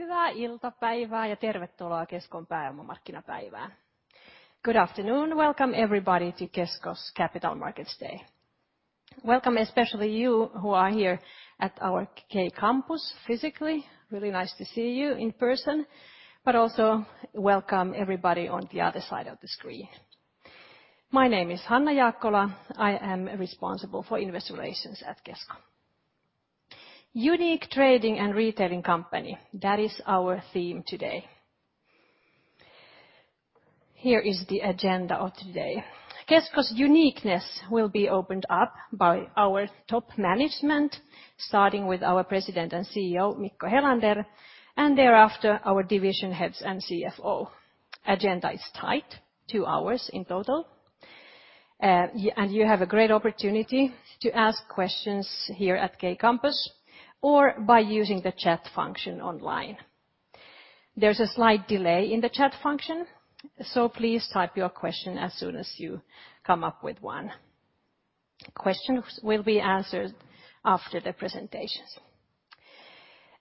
Hyvää iltapäivää ja tervetuloa Keskon pääomamarkkinapäivään. Good afternoon. Welcome everybody to Kesko's Capital Markets Day. Welcome especially you who are here at our K-Kampus physically. Really nice to see you in person, but also welcome everybody on the other side of the screen. My name is Hanna Jaakkola. I am responsible for investor relations at Kesko. Unique trading and retailing company. That is our theme today. Here is the agenda of today. Kesko's uniqueness will be opened up by our top management, starting with our President and CEO, Mikko Helander, and thereafter our division heads and CFO. Agenda is tight, two hours in total. And you have a great opportunity to ask questions here at K-Kampus or by using the chat function online. There's a slight delay in the chat function, so please type your question as soon as you come up with one. Questions will be answered after the presentations.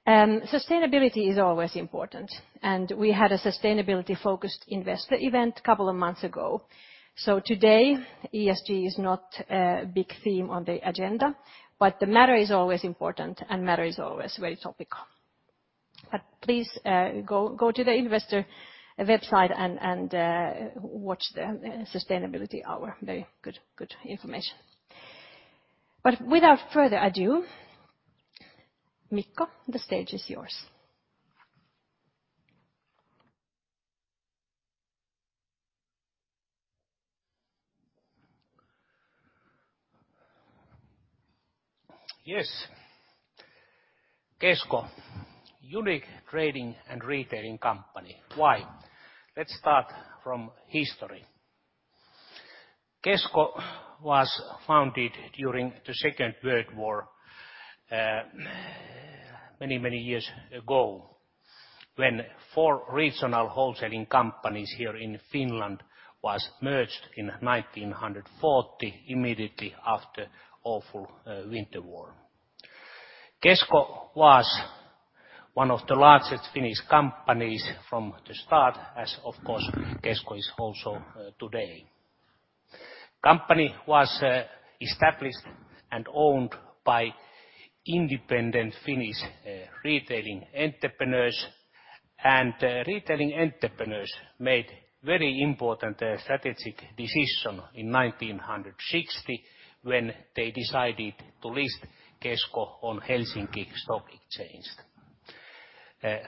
Sustainability is always important, and we had a sustainability focused investor event couple of months ago. Today, ESG is not a big theme on the agenda, but the matter is always important and matter is always very topical. Please, go to the investor website and watch the sustainability hour. Very good information. Without further ado, Mikko Helander, the stage is yours. Yes. Kesko, unique trading and retailing company. Why? Let's start from history. Kesko was founded during the Second World War, many, many years ago, when four regional wholesaling companies here in Finland was merged in 1940, immediately after awful, winter war. Kesko was one of the largest Finnish companies from the start, as of course, Kesko is also, today. Company was established and owned by independent Finnish, retailing entrepreneurs, and retailing entrepreneurs made very important, strategic decision in 1960 when they decided to list Kesko on Helsinki Stock Exchange.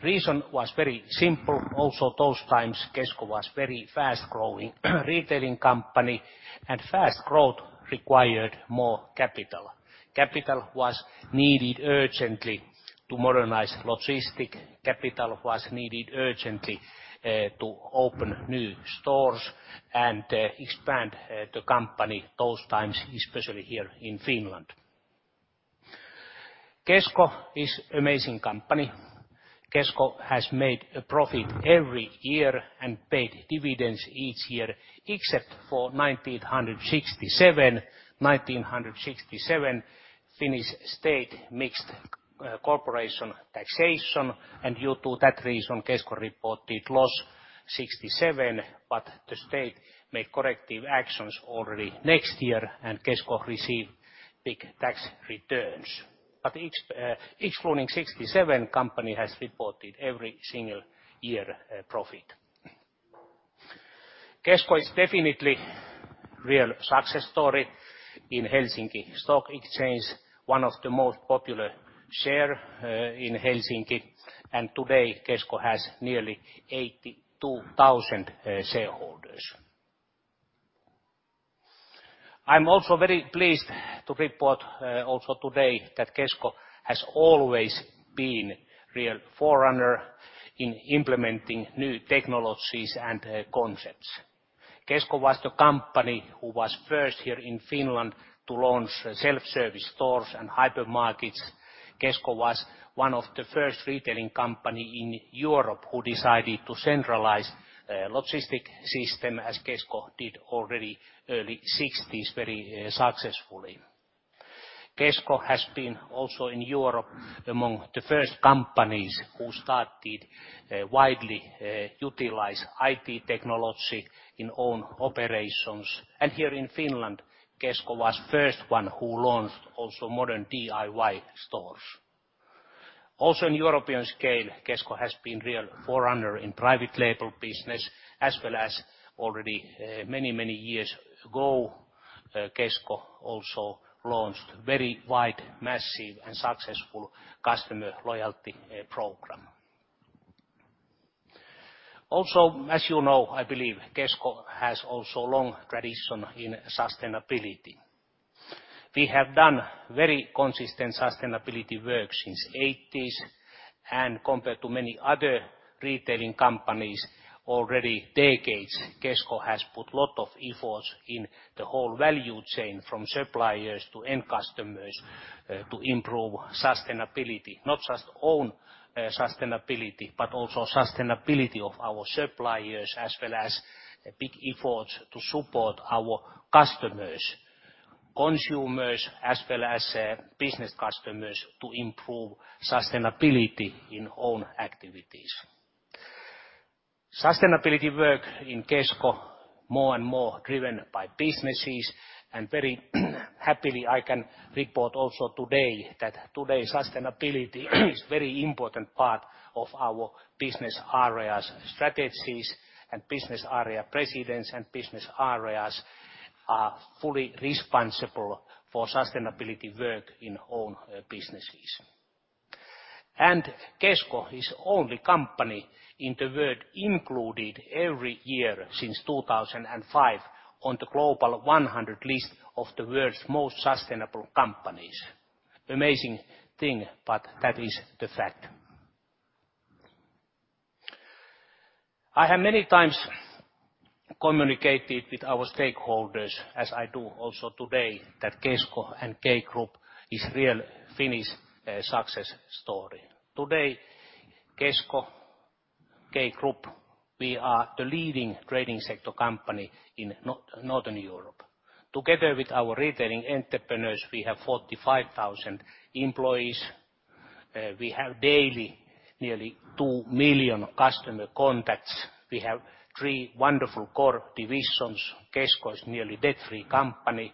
Reason was very simple. Also those times, Kesko was very fast-growing retailing company, and fast growth required more capital. Capital was needed urgently to modernize logistic. Capital was needed urgently, to open new stores and, expand the company those times, especially here in Finland. Kesko is amazing company. Kesko has made a profit every year and paid dividends each year except for 1967. 1967, Finnish state mixed corporation taxation, and due to that reason, Kesko reported loss in 1967. The state made corrective actions already next year, and Kesko received big tax returns. Each, excluding 1967, company has reported every single year, profit. Kesko is definitely real success story in Helsinki Stock Exchange, one of the most popular share in Helsinki. Today, Kesko has nearly 82,000 shareholders. I'm also very pleased to report also today that Kesko has always been real forerunner in implementing new technologies and concepts. Kesko was the company who was first here in Finland to launch self-service stores and hypermarkets. Kesko was one of the first retailing company in Europe who decided to centralize logistic system, as Kesko did already early 1960s very successfully. Kesko has been also in Europe among the first companies who started widely utilize IT technology in own operations. Here in Finland, Kesko was first one who launched also modern DIY stores. Also in European scale, Kesko has been real forerunner in private label business, as well as already many years ago, Kesko also launched very wide, massive, and successful customer loyalty program. Also, as you know, I believe Kesko has also long tradition in sustainability. We have done very consistent sustainability work since 1980s, and compared to many other retailing companies already decades, Kesko has put lot of efforts in the whole value chain from suppliers to end customers to improve sustainability. Not just own sustainability, but also sustainability of our suppliers, as well as big efforts to support our customers, consumers as well as business customers to improve sustainability in own activities. Very happily, I can report also today that today sustainability is very important part of our business areas strategies and business area presidents and business areas are fully responsible for sustainability work in own businesses. Kesko is only company in the world included every year since 2005 on the Global 100 list of the world's most sustainable companies. Amazing thing. That is the fact. I have many times communicated with our stakeholders, as I do also today that Kesko and K Group is real Finnish success story. Today, Kesko, K Group, we are the leading trading sector company in Northern Europe. Together with our retailing entrepreneurs, we have 45,000 employees. We have daily nearly 2 million customer contacts. We have three wonderful core divisions. Kesko is nearly debt-free company,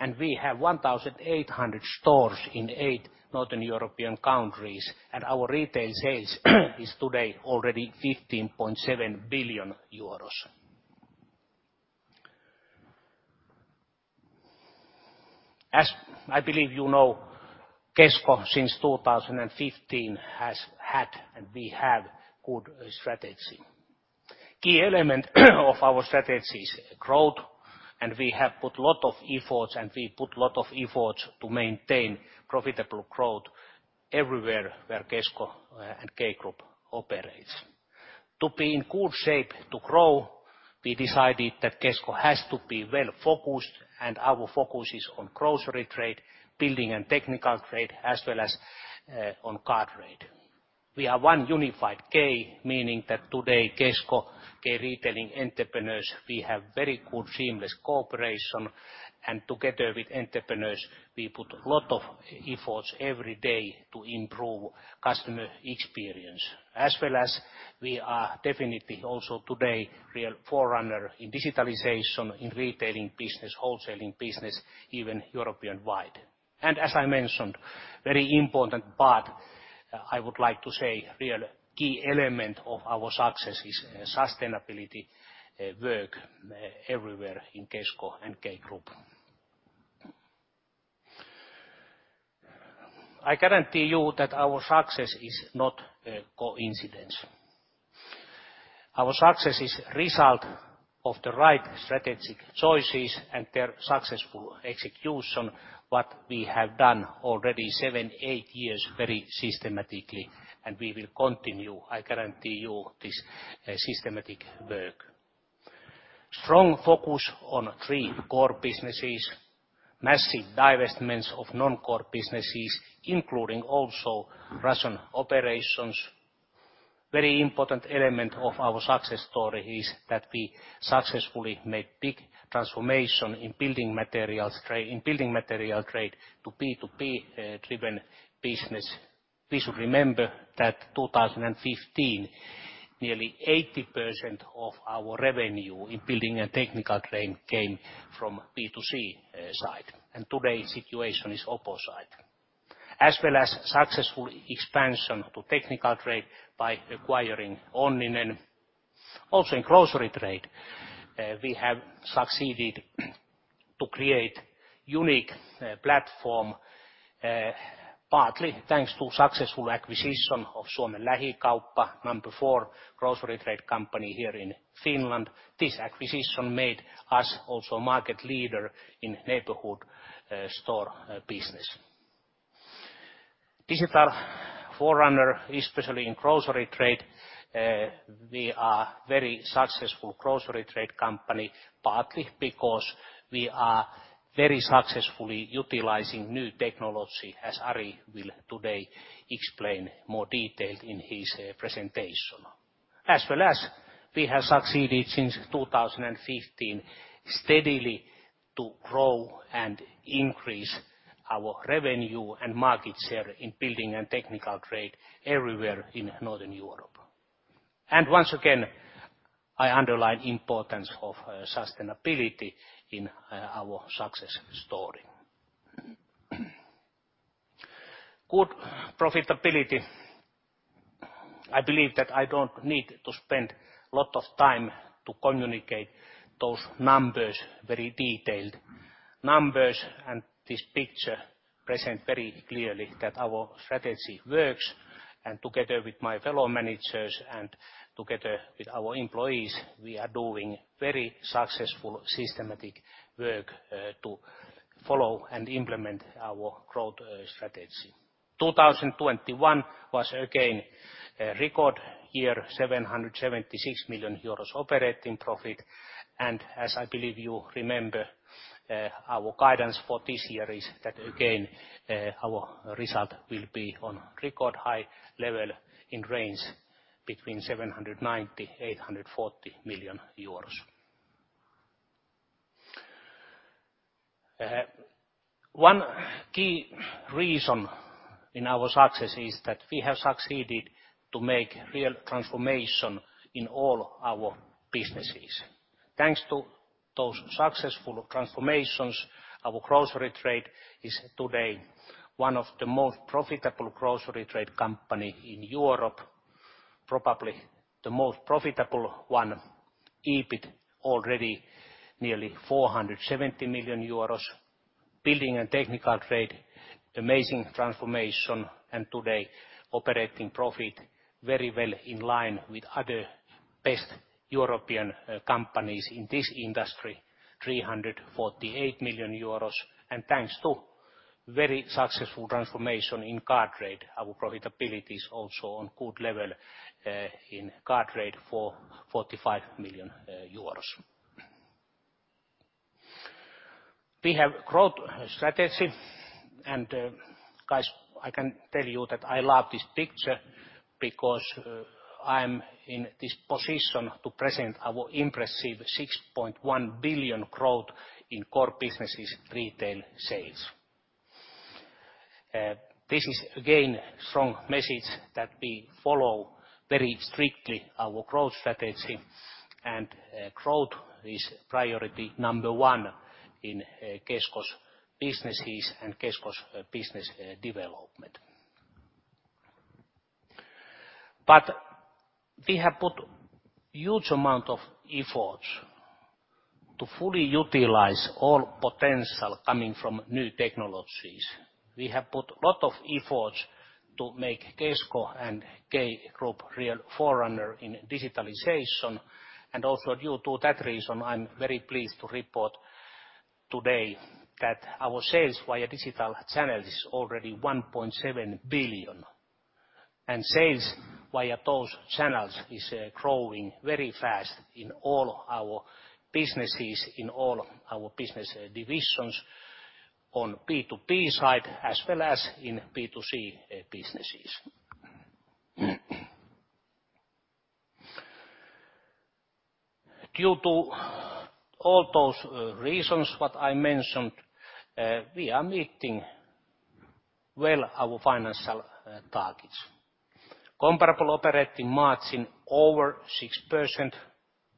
and we have 1,800 stores in eight Northern European countries, and our retail sales is today already EUR 15.7 billion. As I believe you know, Kesko since 2015 has had, and we have good strategy. Key element of our strategy is growth, and we put lot of efforts to maintain profitable growth everywhere where Kesko and K Group operates. To be in good shape to grow, we decided that Kesko has to be well focused. Our focus is on grocery trade, building and technical trade, as well as on car trade. We are one unified K, meaning that today Kesko, K-retailer entrepreneurs, we have very good seamless cooperation. Together with entrepreneurs, we put lot of efforts every day to improve customer experience. We are definitely also today real forerunner in digitalization, in retailing business, wholesaling business, even European-wide. As I mentioned, very important part, I would like to say real key element of our success is sustainability work everywhere in Kesko and K Group. I guarantee you that our success is not a coincidence. Our success is result of the right strategic choices and their successful execution, what we have done already seven, eight years very systematically. We will continue, I guarantee you, this systematic work. Strong focus on three core businesses, massive divestments of non-core businesses, including also Russian operations. Very important element of our success story is that we successfully made big transformation in building material trade to B2B driven business. We should remember that 2015, nearly 80% of our revenue in building a technical trade came from B2C side. Today situation is opposite. As well as successful expansion to technical trade by acquiring Onninen. In grocery trade, we have succeeded to create unique platform partly thanks to successful acquisition of Suomen Lähikauppa, number four grocery trade company here in Finland. This acquisition made us also market leader in neighborhood store business. Digital forerunner, especially in grocery trade. We are very successful grocery trade company, partly because we are very successfully utilizing new technology, as Ari Akseli will today explain more detail in his presentation. As well as we have succeeded since 2015 steadily to grow and increase our revenue and market share in building and technical trade everywhere in Northern Europe. Once again, I underline importance of sustainability in our success story. Good profitability. I believe that I don't need to spend lot of time to communicate those numbers, very detailed numbers. This picture present very clearly that our strategy works. Together with my fellow managers and together with our employees, we are doing very successful systematic work to follow and implement our growth strategy. 2021 was again a record year, 776 million euros operating profit. As I believe you remember, our guidance for this year is that, again, our result will be on record high level in range between 790 million-840 million euros. One key reason in our success is that we have succeeded to make real transformation in all our businesses. Thanks to those successful transformations, our grocery trade is today one of the most profitable grocery trade company in Europe, probably the most profitable one. EBIT already nearly 470 million euros. Building and technical trade, amazing transformation, and today operating profit very well in line with other best European companies in this industry, 348 million euros. Thanks to very successful transformation in car trade, our profitability is also on good level in car trade for EUR 45 million. We have growth strategy and guys, I can tell you that I love this picture because I'm in this position to present our impressive 6.1 billion growth in core businesses retail sales. This is again strong message that we follow very strictly our growth strategy. Growth is priority number one in Kesko's businesses and Kesko's business development. We have put huge amount of efforts to fully utilize all potential coming from new technologies. We have put lot of efforts to make Kesko and K Group real forerunner in digitalization. Also due to that reason, I'm very pleased to report today that our sales via digital channels is already 1.7 billion, and sales via those channels is growing very fast in all our businesses, in all our business divisions, on B2B side, as well as in B2C businesses. Due to all those reasons what I mentioned, we are meeting well our financial targets. Comparable operating margin over 6%,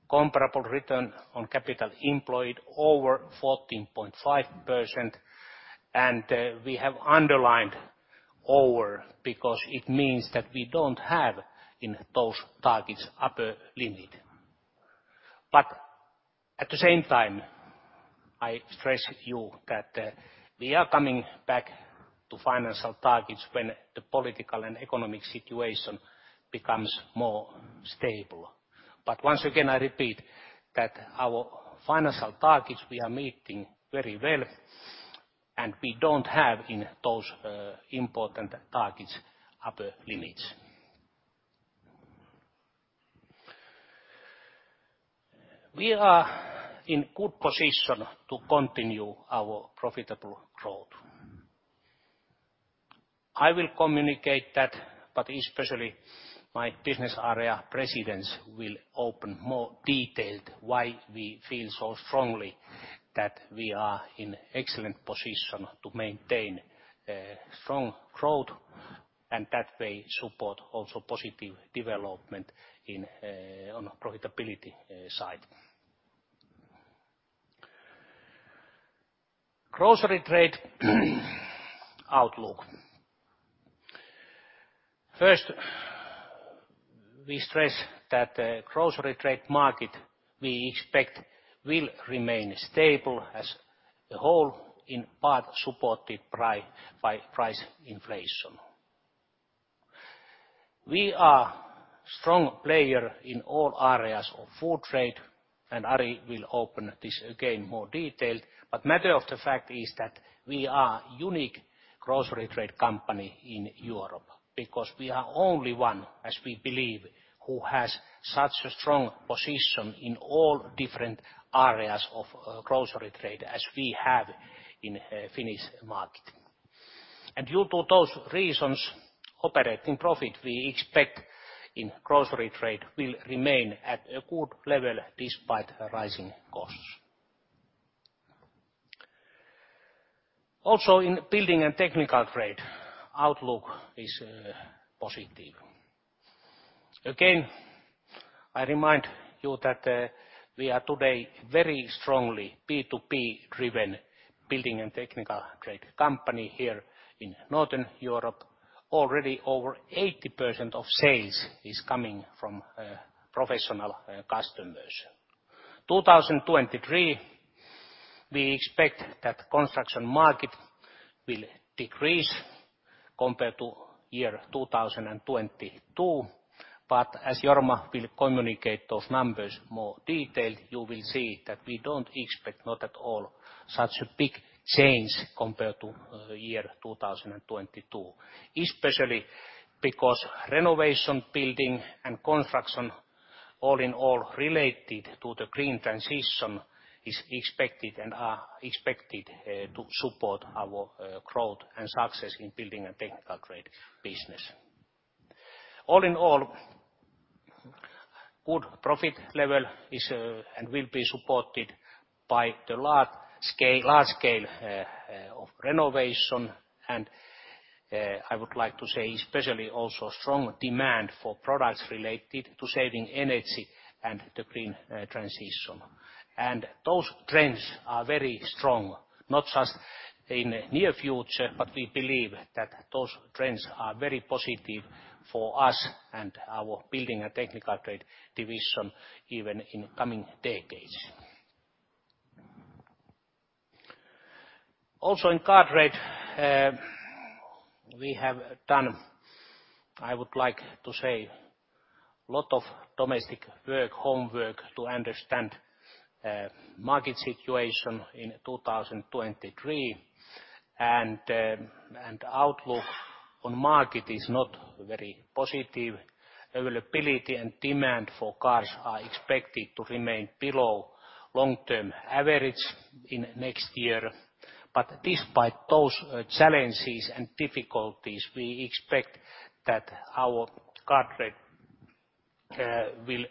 comparable return on capital employed over 14.5%, and we have underlined over because it means that we don't have in those targets upper limit. At the same time, I stress you that we are coming back to financial targets when the political and economic situation becomes more stable. Once again, I repeat that our financial targets we are meeting very well, and we don't have in those important targets upper limits. We are in good position to continue our profitable growth. I will communicate that, but especially my business area presidents will open more detailed why we feel so strongly that we are in excellent position to maintain strong growth, and that way support also positive development in on profitability side. Grocery trade outlook. First, we stress that the grocery trade market, we expect will remain stable as a whole, in part supported by price inflation. We are strong player in all areas of food trade, Ari Akseli will open this again more detailed. Matter of the fact is that we are unique grocery trade company in Europe because we are only one, as we believe, who has such a strong position in all different areas of grocery trade as we have in Finnish market. Due to those reasons, operating profit, we expect in grocery trade will remain at a good level despite rising costs. Also in building and technical trade, outlook is positive. Again, I remind you that we are today very strongly B2B-driven building and technical trade company here in Northern Europe. Already over 80% of sales is coming from professional customers. 2023, we expect that construction market will decrease compared to year 2022. As Jorma Rauhala will communicate those numbers more detailed, you will see that we don't expect, not at all, such a big change compared to 2022, especially because renovation building and construction all in all, related to the green transition is expected and are expected to support our growth and success in Building and Technical Trade business. All in all, good profit level is and will be supported by the large scale of renovation and, I would like to say especially also strong demand for products related to saving energy and the green transition. Those trends are very strong, not just in near future, but we believe that those trends are very positive for us and our Building and Technical Trade division, even in coming decades. Also, in car trade, we have done, I would like to say, lot of domestic work, homework to understand market situation in 2023. Outlook on market is very positive. Availability and demand for cars are expected to remain below long-term average in next year. Despite those challenges and difficulties, we expect that our car trade will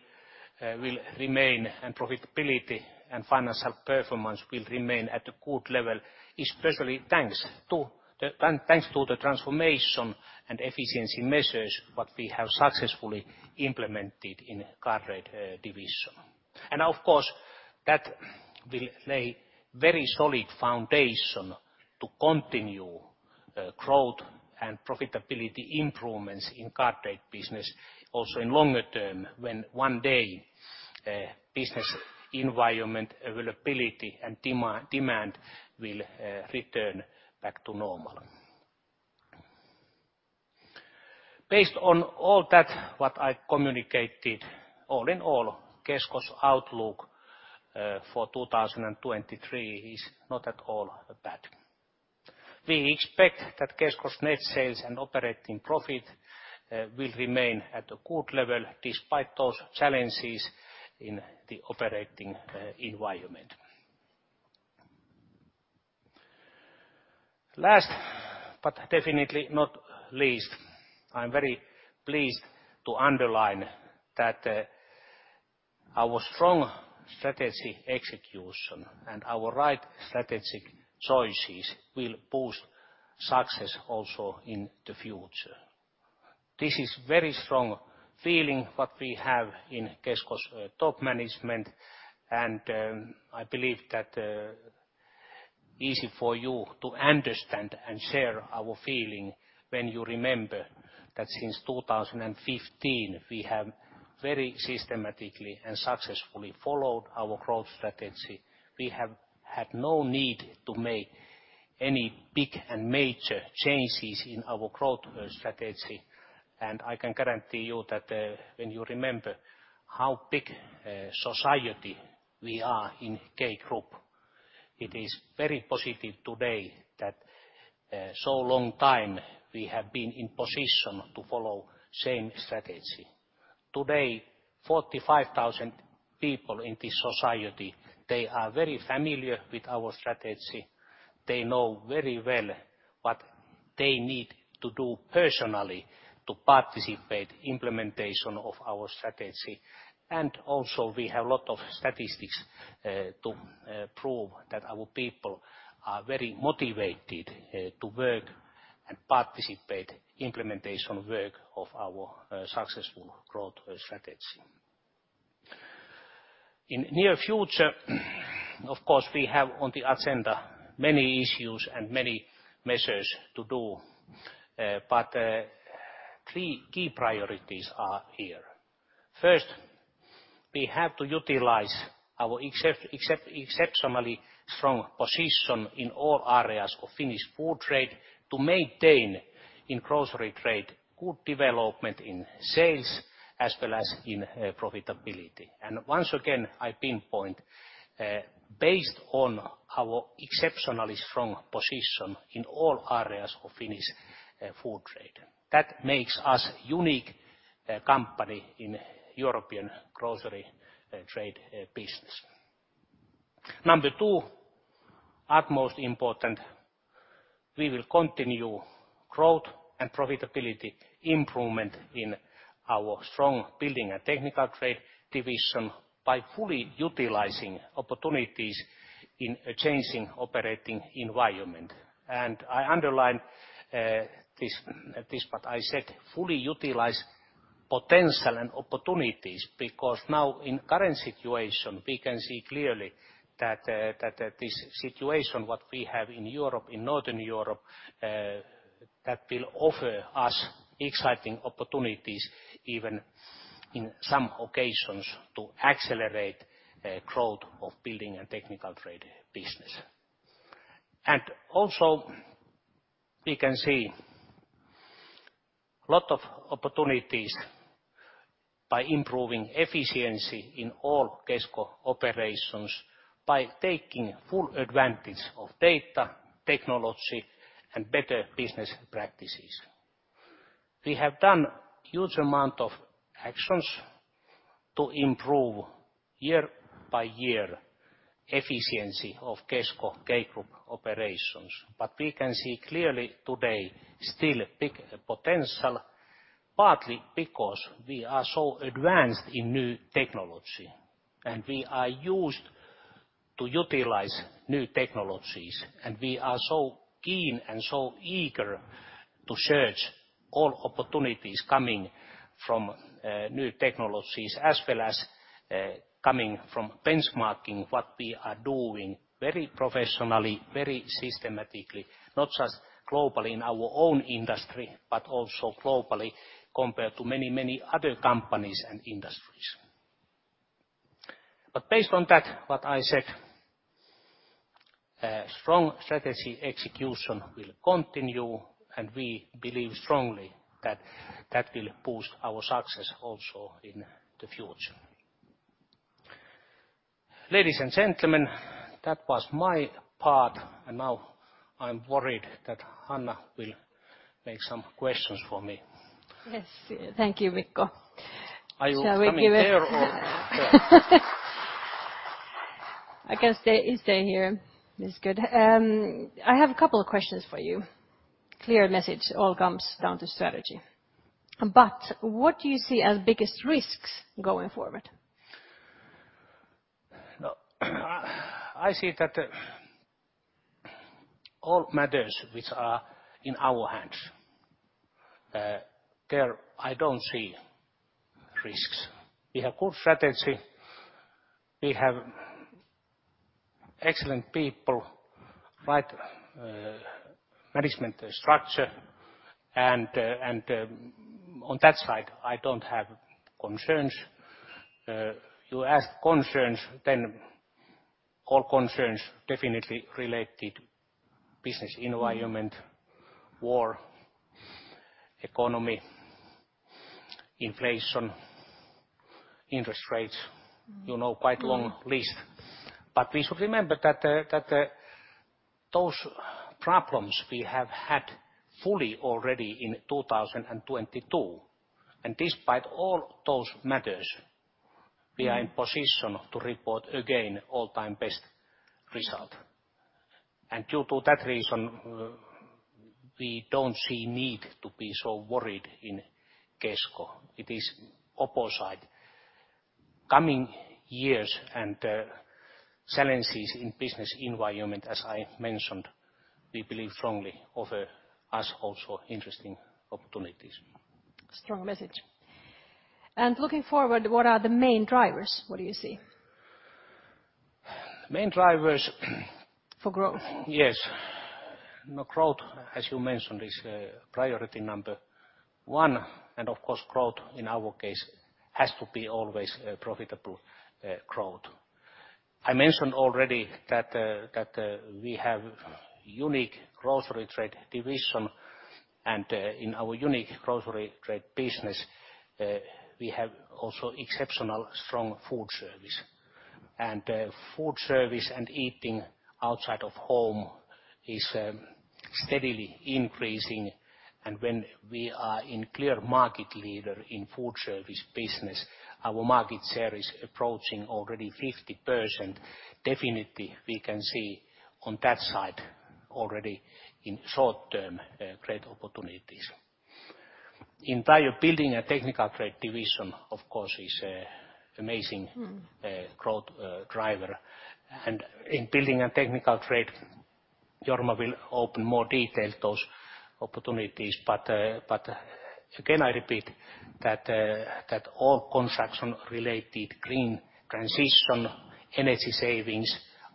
remain in profitability, and financial performance will remain at a good level, especially thanks to the transformation and efficiency measures, what we have successfully implemented in car trade division. Of course, that will lay very solid foundation to continue growth and profitability improvements in car trade business also in longer term, when one day, business environment availability and demand will return back to normal. Based on all that, what I communicated, all in all, Kesko's outlook for 2023 is not at all bad. We expect that Kesko's net sales and operating profit will remain at a good level, despite those challenges in the operating environment. Last, but definitely not least, I'm very pleased to underline that our strong strategy execution and our right strategic choices will boost success also in the future. This is very strong feeling, what we have in Kesko's top management, and I believe that easy for you to understand and share our feeling when you remember that since 2015 we have very systematically and successfully followed our growth strategy. We have had no need to make any big and major changes in our growth strategy. I can guarantee you that, when you remember how big society we are in K Group, it is very positive today that so long time we have been in position to follow same strategy. Today, 45,000 people in this society, they are very familiar with our strategy. They know very well what they need to do personally to participate implementation of our strategy. Also, we have a lot of statistics to prove that our people are very motivated to work and participate implementation work of our successful growth strategy. In near future, of course, we have on the agenda many issues and many measures to do, but three key priorities are here. First, we have to utilize our exceptionally strong position in all areas of Finnish food trade to maintain in grocery trade good development in sales as well as in profitability. Once again, I pinpoint based on our exceptionally strong position in all areas of Finnish food trade, that makes us unique company in European grocery trade business. Number two, utmost important, we will continue growth and profitability improvement in our strong Building and Technical Trade division by fully utilizing opportunities in a changing operating environment. I underline, this what I said, fully utilize potential and opportunities, because now in current situation, we can see clearly that, this situation what we have in Europe, in Northern Europe, that will offer us exciting opportunities even in some occasions to accelerate growth of building and technical trade business. Also we can see lot of opportunities by improving efficiency in all Kesko operations by taking full advantage of data, technology, and better business practices. We have done huge amount of actions to improve year by year efficiency of Kesko K-Group operations. We can see clearly today still a big potential, partly because we are so advanced in new technology and we are used to utilize new technologies, and we are so keen and so eager to search all opportunities coming from new technologies as well as coming from benchmarking what we are doing very professionally, very systematically, not just globally in our own industry, but also globally compared to many, many other companies and industries. Based on that, what I said, a strong strategy execution will continue, and we believe strongly that that will boost our success also in the future. Ladies and gentlemen, that was my part. Now I'm worried that Hanna will make some questions for me. Yes. Thank you, Mikko. Are you coming there or here? You stay here. That's good. I have a couple of questions for you. Clear message, all comes down to strategy. What do you see as biggest risks going forward? Well, I see that all matters which are in our hands, there I don't see risks. We have good strategy, we have excellent people, right, management structure, and on that side, I don't have concerns. You ask concerns, all concerns definitely related business environment, war, economy, inflation, interest rates. You know, quite long list. We should remember that those problems we have had fully already in 2022, and despite all those matters, we are in position to report again all-time best result. Due to that reason, we don't see need to be so worried in Kesko. It is opposite. Coming years and challenges in business environment, as I mentioned, we believe strongly offer us also interesting opportunities. Strong message. Looking forward, what are the main drivers? What do you see? The main drivers For growth. Yes. Now growth, as you mentioned, is priority number one, of course growth in our case has to be always a profitable growth. I mentioned already that we have unique Grocery Trade Division, in our unique grocery trade business, we have also exceptional strong food service. food service and eating outside of home is steadily increasing, when we are in clear market leader in food service business, our market share is approaching already 50%. Definitely we can see on that side already in short-term great opportunities. In Building and Technical Trade Division, of course, is an amazing growth, driver. In building and technical trade, Jorma will open more detail those opportunities. Again, I repeat that all construction related green transition energy savings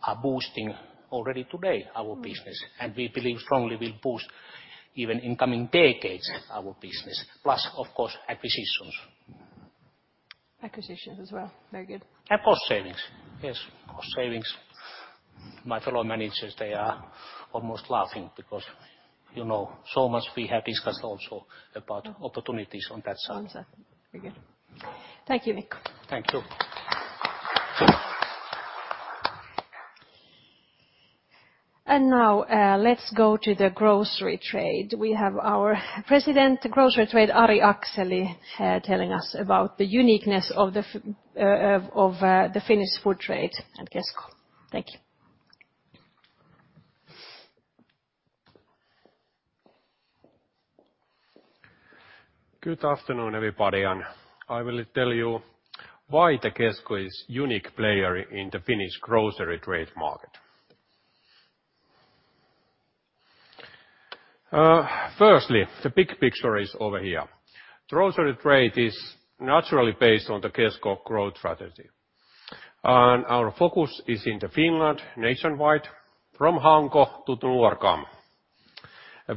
are boosting already today our business and we believe strongly will boost even in coming decades our business. Plus, of course, acquisitions. Acquisitions as well. Very good. Cost savings. Yes, cost savings. My fellow managers, they are almost laughing because, you know, so much we have discussed also about opportunities on that side. On that. Very good. Thank you, Mikko. Thank you. Now, let's go to the grocery trade. We have our President grocery trade, Ari Akseli, telling us about the uniqueness of the Finnish food trade and Kesko. Thank you. Good afternoon, everybody. I will tell you why the Kesko is unique player in the Finnish grocery trade market. Firstly, the big picture is over here. Grocery trade is naturally based on the Kesko growth strategy. Our focus is in the Finland nationwide from Hanko to Nuorgam.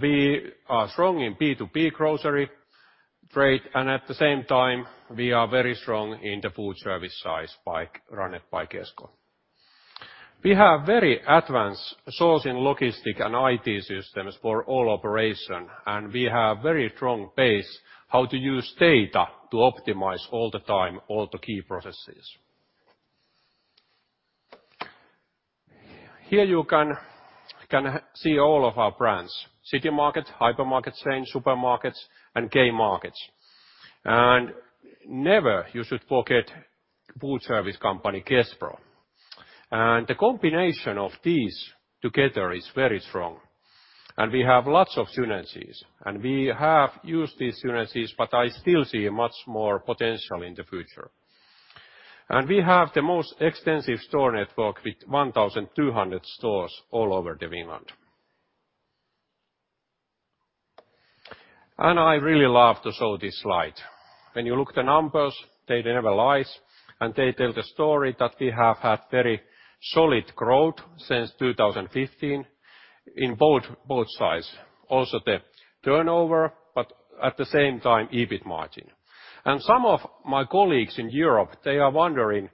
We are strong in B2B grocery trade, and at the same time we are very strong in the foodservice side run it by Kesko. We have very advanced sourcing logistic and IT systems for all operation, and we have very strong base how to use data to optimize all the time all the key processes. Here you can see all of our brands, K-Citymarket, hypermarket chain, supermarkets, and K markets. Never you should forget foodservice company Kespro. The combination of these together is very strong. We have lots of synergies, and we have used these synergies, but I still see much more potential in the future. We have the most extensive store network with 1,200 stores all over Finland. I really love to show this slide. When you look the numbers, they never lies, and they tell the story that we have had very solid growth since 2015 in both sides, also the turnover, but at the same time, EBIT margin. Some of my colleagues in Europe, they are wondering,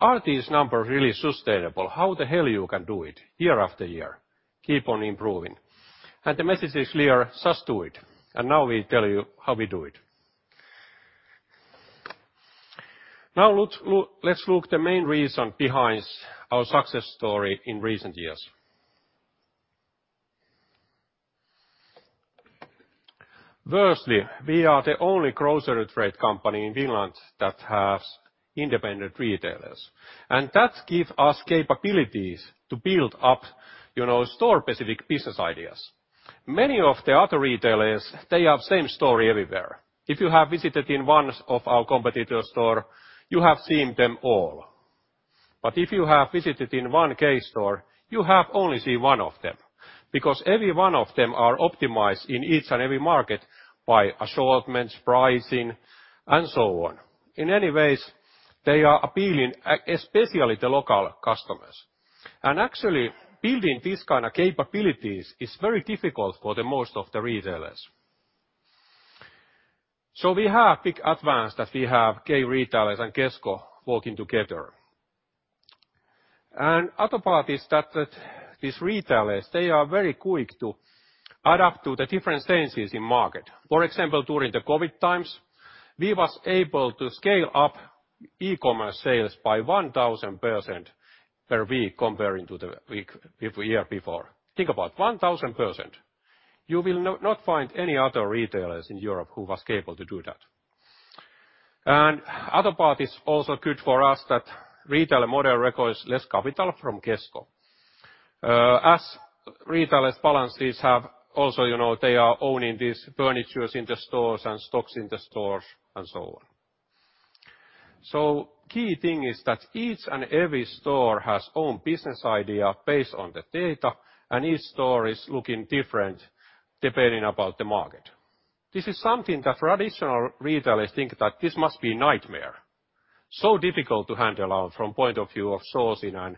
"Are these numbers really sustainable? How the hell you can do it year after year, keep on improving?" The message is clear, just do it. Now we tell you how we do it. Now let's look the main reason behind our success story in recent years. Firstly, we are the only grocery trade company in Finland that has independent retailers. That give us capabilities to build up, you know, store-specific business ideas. Many of the other retailers, they have same story everywhere. If you have visited in one of our competitor store, you have seen them all. If you have visited in one K store, you have only see one of them because every one of them are optimized in each and every market by assortments, pricing, and so on. In many ways, they are appealing, especially the local customers. Actually, building these kind of capabilities is very difficult for the most of the retailers. We have big advance that we have K retailers and Kesko working together. Other part is that these retailers, they are very quick to adapt to the different changes in market. For example, during the COVID times, we was able to scale up e-commerce sales by 1,000% per week comparing to the week, if year before. Think about it, 1,000%. You will not find any other retailers in Europe who was able to do that. Other part is also good for us that retailer model requires less capital from Kesko. As retailers' balances have also, you know, they are owning these furnitures in the stores and stocks in the stores and so on. Key thing is that each and every store has own business idea based on the data, and each store is looking different depending about the market. This is something that traditional retailers think that this must be nightmare. Difficult to handle out from point of view of sourcing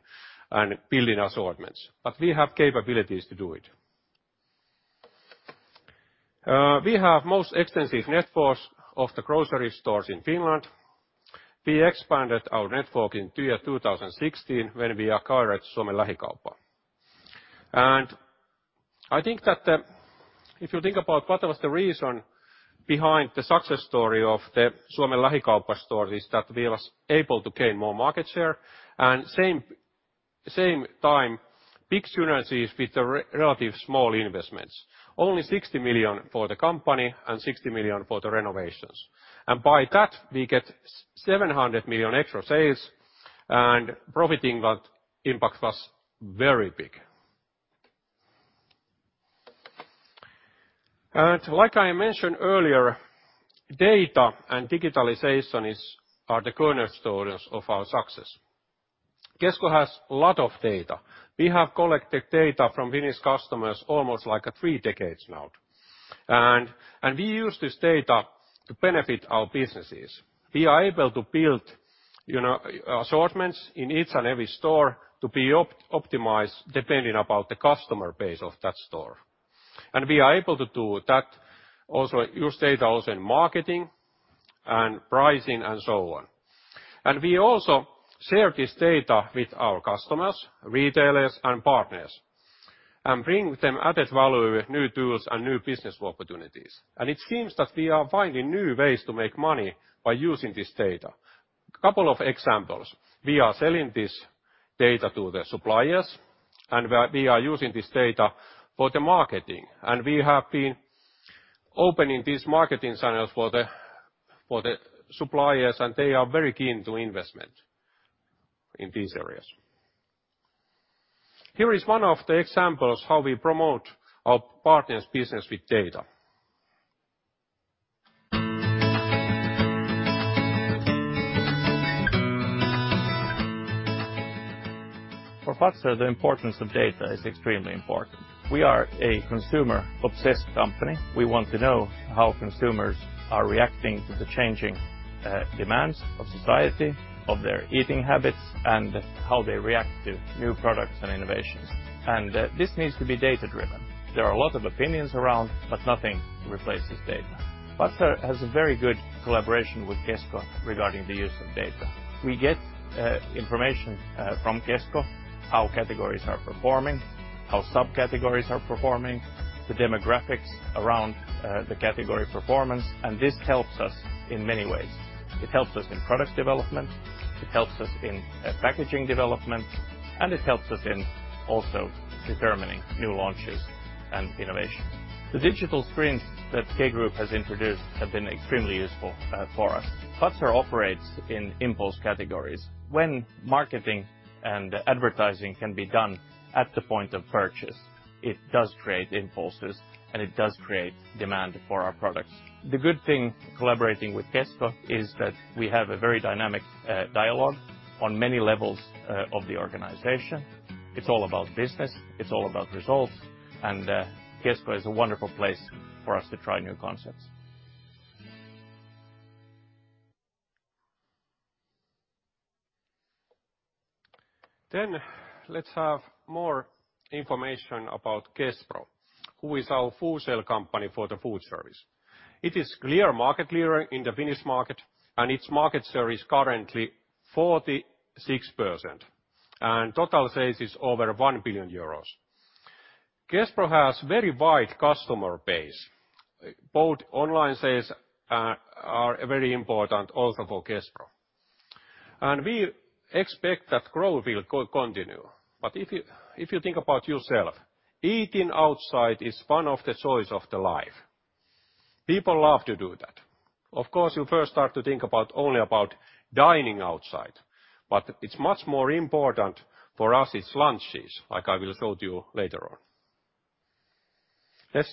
and building assortments, but we have capabilities to do it. We have most extensive networks of the grocery stores in Finland. We expanded our network in 2016 when we acquired Suomen Lähikauppa. I think that if you think about what was the reason behind the success story of the Suomen Lähikauppa stores is that we was able to gain more market share and same time, big synergies with the relative small investments. Only 60 million for the company and 60 million for the renovations. By that, we get 700 million extra sales and profit impact was very big. Like I mentioned earlier, data and digitalization is, are the cornerstones of our success. Kesko has a lot of data. We have collected data from Finnish customers almost like three decades now. We use this data to benefit our businesses. We are able to build, you know, assortments in each and every store to be optimized depending about the customer base of that store. We are able to do that, also use data also in marketing and pricing and so on. We also share this data with our customers, retailers, and partners and bring them added value, new tools, and new business opportunities. It seems that we are finding new ways to make money by using this data. Couple of examples. We are selling this data to the suppliers, and we are using this data for the marketing. We have been opening these marketing channels for the suppliers, and they are very keen to investment in these areas. Here is one of the examples how we promote our partners' business with data. For Fazer, the importance of data is extremely important. We are a consumer-obsessed company. We want to know how consumers are reacting to the changing demands of society, of their eating habits, and how they react to new products and innovations. This needs to be data-driven. There are a lot of opinions around, but nothing replaces data. Fazer has a very good collaboration with Kesko regarding the use of data. We get information from Kesko, how categories are performing. How subcategories are performing, the demographics around the category performance. This helps us in many ways. It helps us in product development, it helps us in packaging development, and it helps us in also determining new launches and innovation. The digital screens that K Group has introduced have been extremely useful for us. Fazer operates in impulse categories. When marketing and advertising can be done at the point of purchase, it does create impulses, and it does create demand for our products. The good thing collaborating with Kesko is that we have a very dynamic dialogue on many levels of the organization. It's all about business, it's all about results. Kesko is a wonderful place for us to try new concepts. Let's have more information about Kespro, who is our food sale company for the food service. It is clear market leader in the Finnish market, its market share is currently 46%, total sales is over 1 billion euros. Kespro has very wide customer base. Both online sales are very important also for Kespro. We expect that growth will continue. If you think about yourself, eating outside is one of the joys of the life. People love to do that. Of course, you first start to think about only about dining outside, it's much more important for us, it's lunches, like I will show to you later on. Let's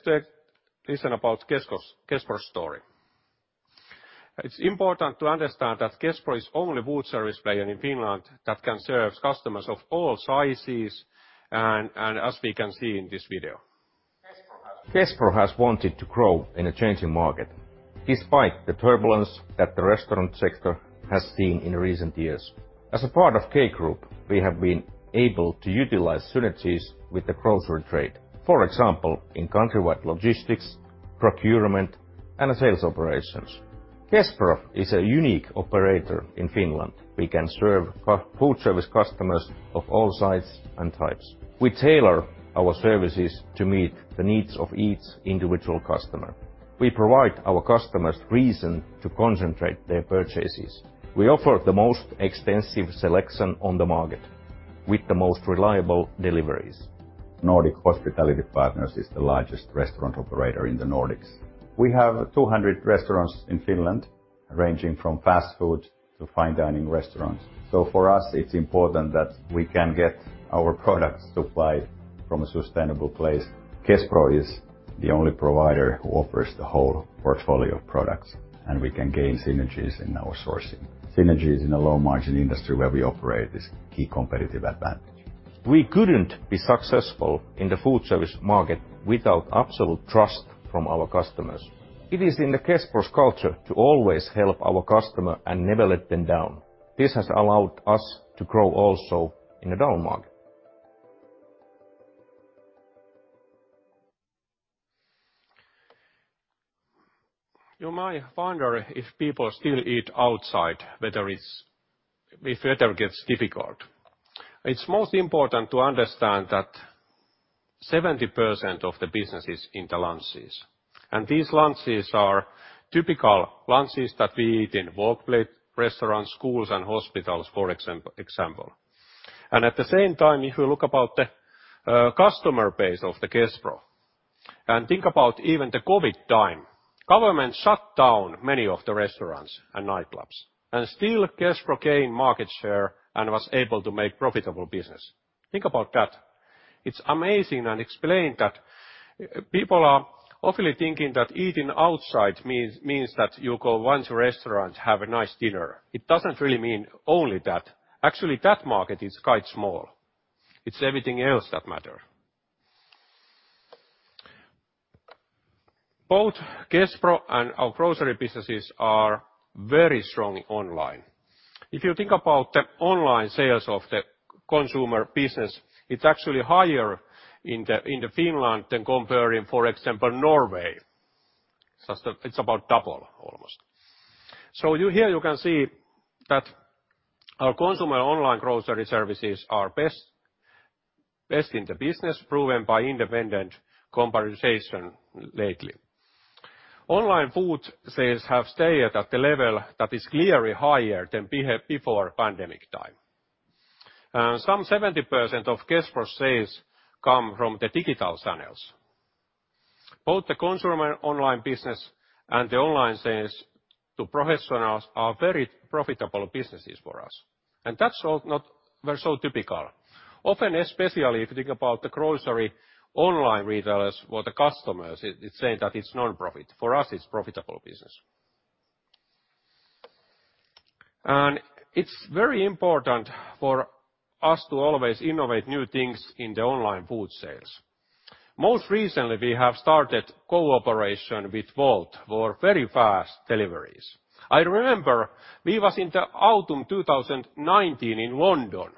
listen about Kespro's story. It's important to understand that Kespro is only food service player in Finland that can serve customers of all sizes, and as we can see in this video. Kespro has wanted to grow in a changing market despite the turbulence that the restaurant sector has seen in recent years. As a part of K Group, we have been able to utilize synergies with the grocery trade, for example, in countrywide logistics, procurement, and sales operations. Kespro is a unique operator in Finland. We can serve food service customers of all sizes and types. We tailor our services to meet the needs of each individual customer. We provide our customers reason to concentrate their purchases. We offer the most extensive selection on the market with the most reliable deliveries. NoHo Partners is the largest restaurant operator in the Nordics. We have 200 restaurants in Finland, ranging from fast food to fine dining restaurants. For us, it's important that we can get our products supplied from a sustainable place. Kespro is the only provider who offers the whole portfolio of products, and we can gain synergies in our sourcing. Synergies in a low margin industry where we operate is key competitive advantage. We couldn't be successful in the food service market without absolute trust from our customers. It is in the Kespro's culture to always help our customer and never let them down. This has allowed us to grow also in a down market. You might wonder if people still eat outside if weather gets difficult. It's most important to understand that 70% of the business is in the lunches. These lunches are typical lunches that we eat in workplace, restaurants, schools, and hospitals, for example. At the same time, if you look about the customer base of Kespro, and think about even the COVID time, government shut down many of the restaurants and nightclubs. Still Kespro gained market share and was able to make profitable business. Think about that. It's amazing. Explain that people are often thinking that eating outside means that you go once a restaurant, have a nice dinner. It doesn't really mean only that. Actually, that market is quite small. It's everything else that matter. Both Kespro and our grocery businesses are very strong online. If you think about the online sales of the consumer business, it's actually higher in Finland than comparing, for example, Norway. Such that it's about double almost. Here you can see that our consumer online grocery services are best in the business, proven by independent comparison lately. Online food sales have stayed at the level that is clearly higher than before pandemic time. Some 70% of Kespro sales come from the digital channels. Both the consumer online business and the online sales to professionals are very profitable businesses for us, and that's not so typical. Often, especially if you think about the grocery online retailers or the customers, it's saying that it's nonprofit. For us, it's profitable business. It's very important for us to always innovate new things in the online food sales. Most recently, we have started cooperation with Wolt for very fast deliveries. I remember we was in the autumn 2019 in London.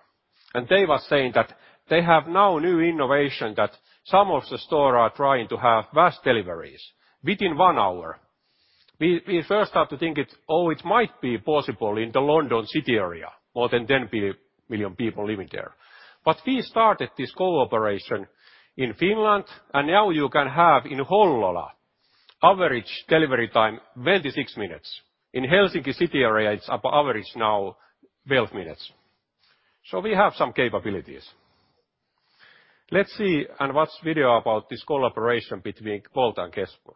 They were saying that they have now new innovation that some of the stores are trying to have fast deliveries within one hour. We first have to think it, oh, it might be possible in the London city area, more than 10 million people living there. We started this cooperation in Finland, and now you can have in Hollola average delivery time 26 minutes. In Helsinki city area, it's average now 12 minutes. We have some capabilities. Let's see and watch video about this collaboration between Wolt and Kesko.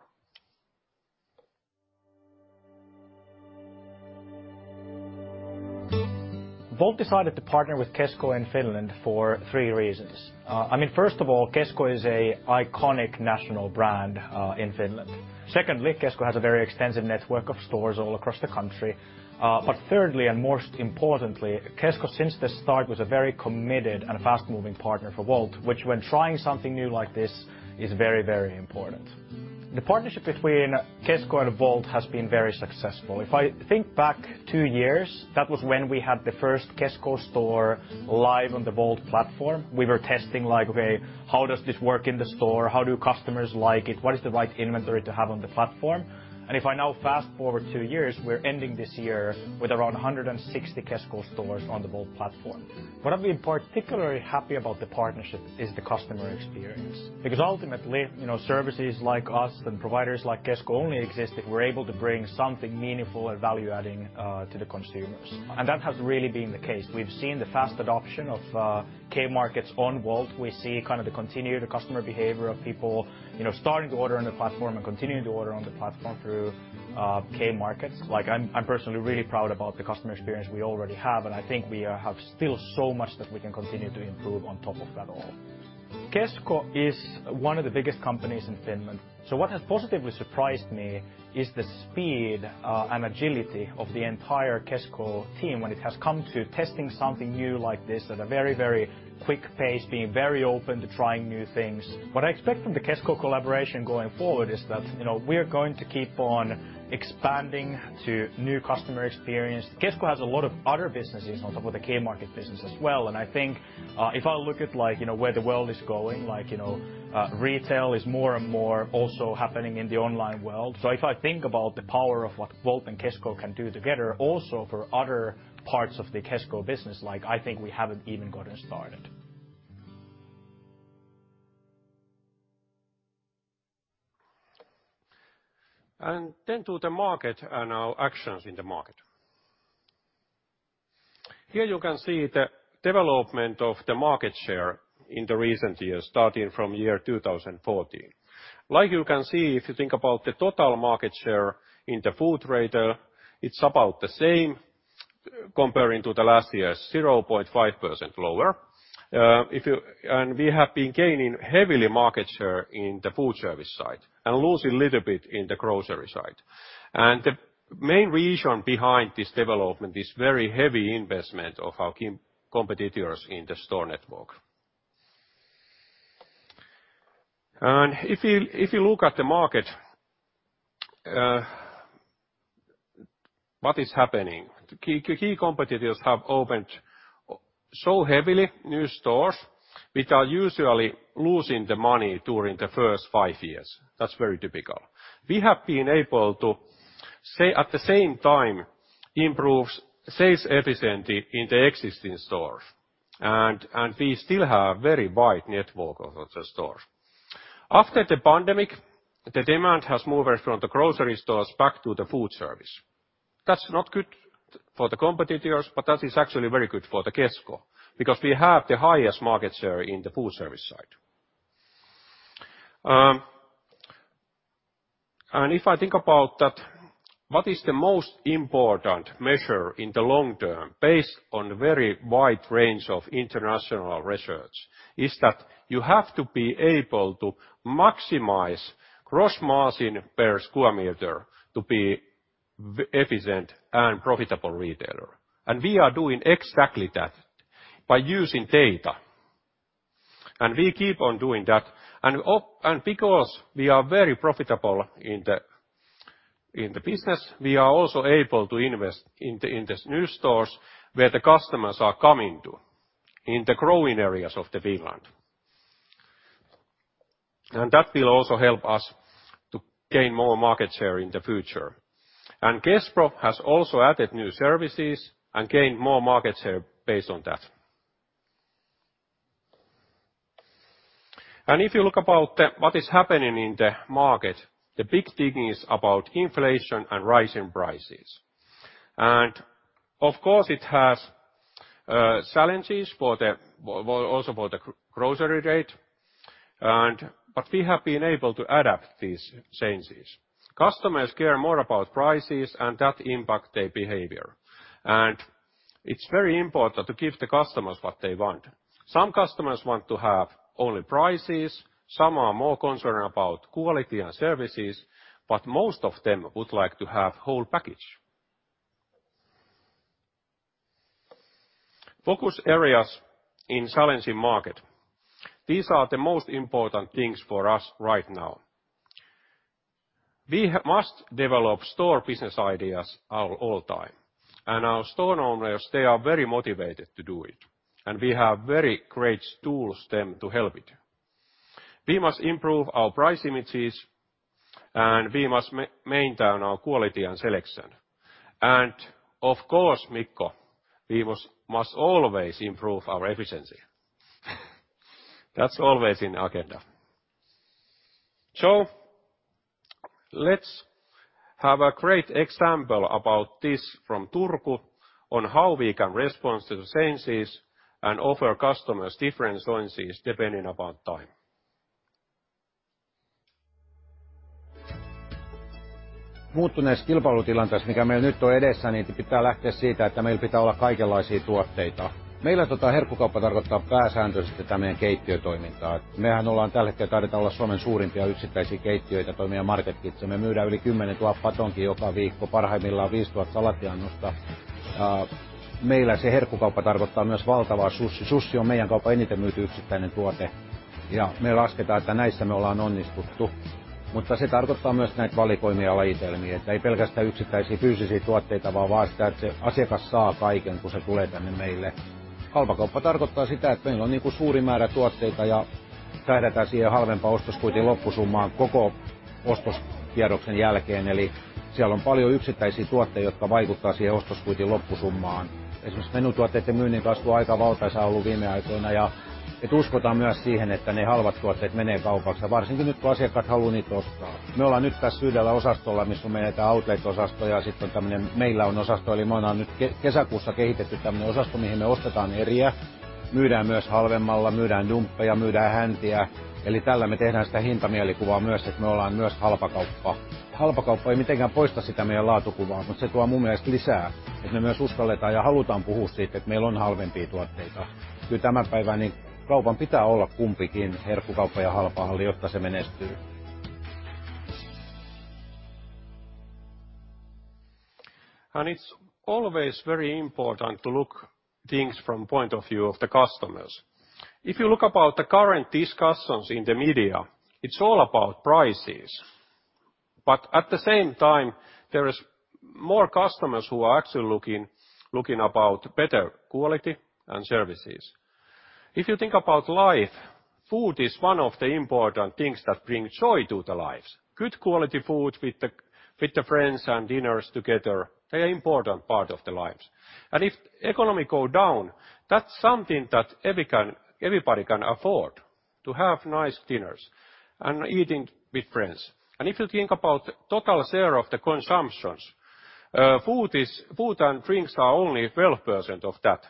Wolt decided to partner with Kesko in Finland for three reasons. I mean, first of all, Kesko is a iconic national brand in Finland. Secondly, Kesko has a very extensive network of stores all across the country. Thirdly, and most importantly, Kesko, since the start, was a very committed and a fast-moving partner for Wolt, which when trying something new like this is very, very important. The partnership between Kesko and Wolt has been very successful. If I think back two years, that was when we had the first Kesko store live on the Wolt platform. We were testing like, okay, how does this work in the store? How do customers like it? What is the right inventory to have on the platform? If I now fast-forward two years, we're ending this year with around 160 Kesko stores on the Wolt platform. What I'll be particularly happy about the partnership is the customer experience because ultimately, you know, services like us and providers like Kesko only exist if we're able to bring something meaningful and value-adding to the consumers. That has really been the case. We've seen the fast adoption of K Markets on Wolt. We see kind of the continued customer behavior of people, you know, starting to order on the platform and continuing to order on the platform through K Markets. Like, I'm personally really proud about the customer experience we already have, and I think we have still so much that we can continue to improve on top of that all. Kesko is one of the biggest companies in Finland. What has positively surprised me is the speed and agility of the entire Kesko team when it has come to testing something new like this at a very, very quick pace, being very open to trying new things. What I expect from the Kesko collaboration going forward is that, you know, we're going to keep on expanding to new customer experience. Kesko has a lot of other businesses on top of the K-Market business as well, and I think, if I look at like, you know, where the world is going, like, you know, retail is more and more also happening in the online world. If I think about the power of what Wolt and Kesko can do together also for other parts of the Kesko business, like, I think we haven't even gotten started. Then to the market and our actions in the market. Here you can see the development of the market share in the recent years, starting from year 2014. You can see, if you think about the total market share in the food trader, it's about the same comparing to the last year, 0.5% lower. We have been gaining heavily market share in the foodservice side and losing little bit in the grocery side. The main reason behind this development is very heavy investment of our competitors in the store network. If you look at the market, what is happening, the key competitors have opened so heavily new stores, which are usually losing the money during the first five years. That's very typical. We have been able to stay at the same time, improve sales efficiency in the existing stores, we still have very wide network of the stores. After the pandemic, the demand has moved from the grocery stores back to the foodservice. That's not good for the competitors, but that is actually very good for Kesko because we have the highest market share in the foodservice side. If I think about that, what is the most important measure in the long term based on very wide range of international research is that you have to be able to maximize gross margin per square meter to be efficient and profitable retailer. We are doing exactly that by using data, and we keep on doing that. Because we are very profitable in the business, we are also able to invest in these new stores where the customers are coming to in the growing areas of the Finland. That will also help us to gain more market share in the future. Kespro has also added new services and gained more market share based on that. If you look about what is happening in the market, the big thing is about inflation and rising prices. Of course, it has challenges for the grocery trade. We have been able to adapt these changes. Customers care more about prices and that impact their behavior. It's very important to give the customers what they want. Some customers want to have only prices, some are more concerned about quality and services, but most of them would like to have whole package. Focus areas in challenging market. These are the most important things for us right now. We must develop store business ideas at all time. Our store owners, they are very motivated to do it, and we have very great tools then to help it. We must improve our price images and we must maintain our quality and selection. Of course, Mikko Helander, we must always improve our efficiency. That's always in agenda. Let's have a great example about this from Turku on how we can respond to the changes and offer customers different choices depending upon time. It's always very important to look things from point of view of the customers. If you look about the current discussions in the media, it's all about prices. At the same time, there is more customers who are actually looking about better quality and services. If you think about life, food is one of the important things that bring joy to the lives. Good quality food with the friends and dinners together, they're important part of the lives. If economy go down, that's something that everybody can afford, to have nice dinners and eating with friends. If you think about total share of the consumptions, food and drinks are only 12% of that,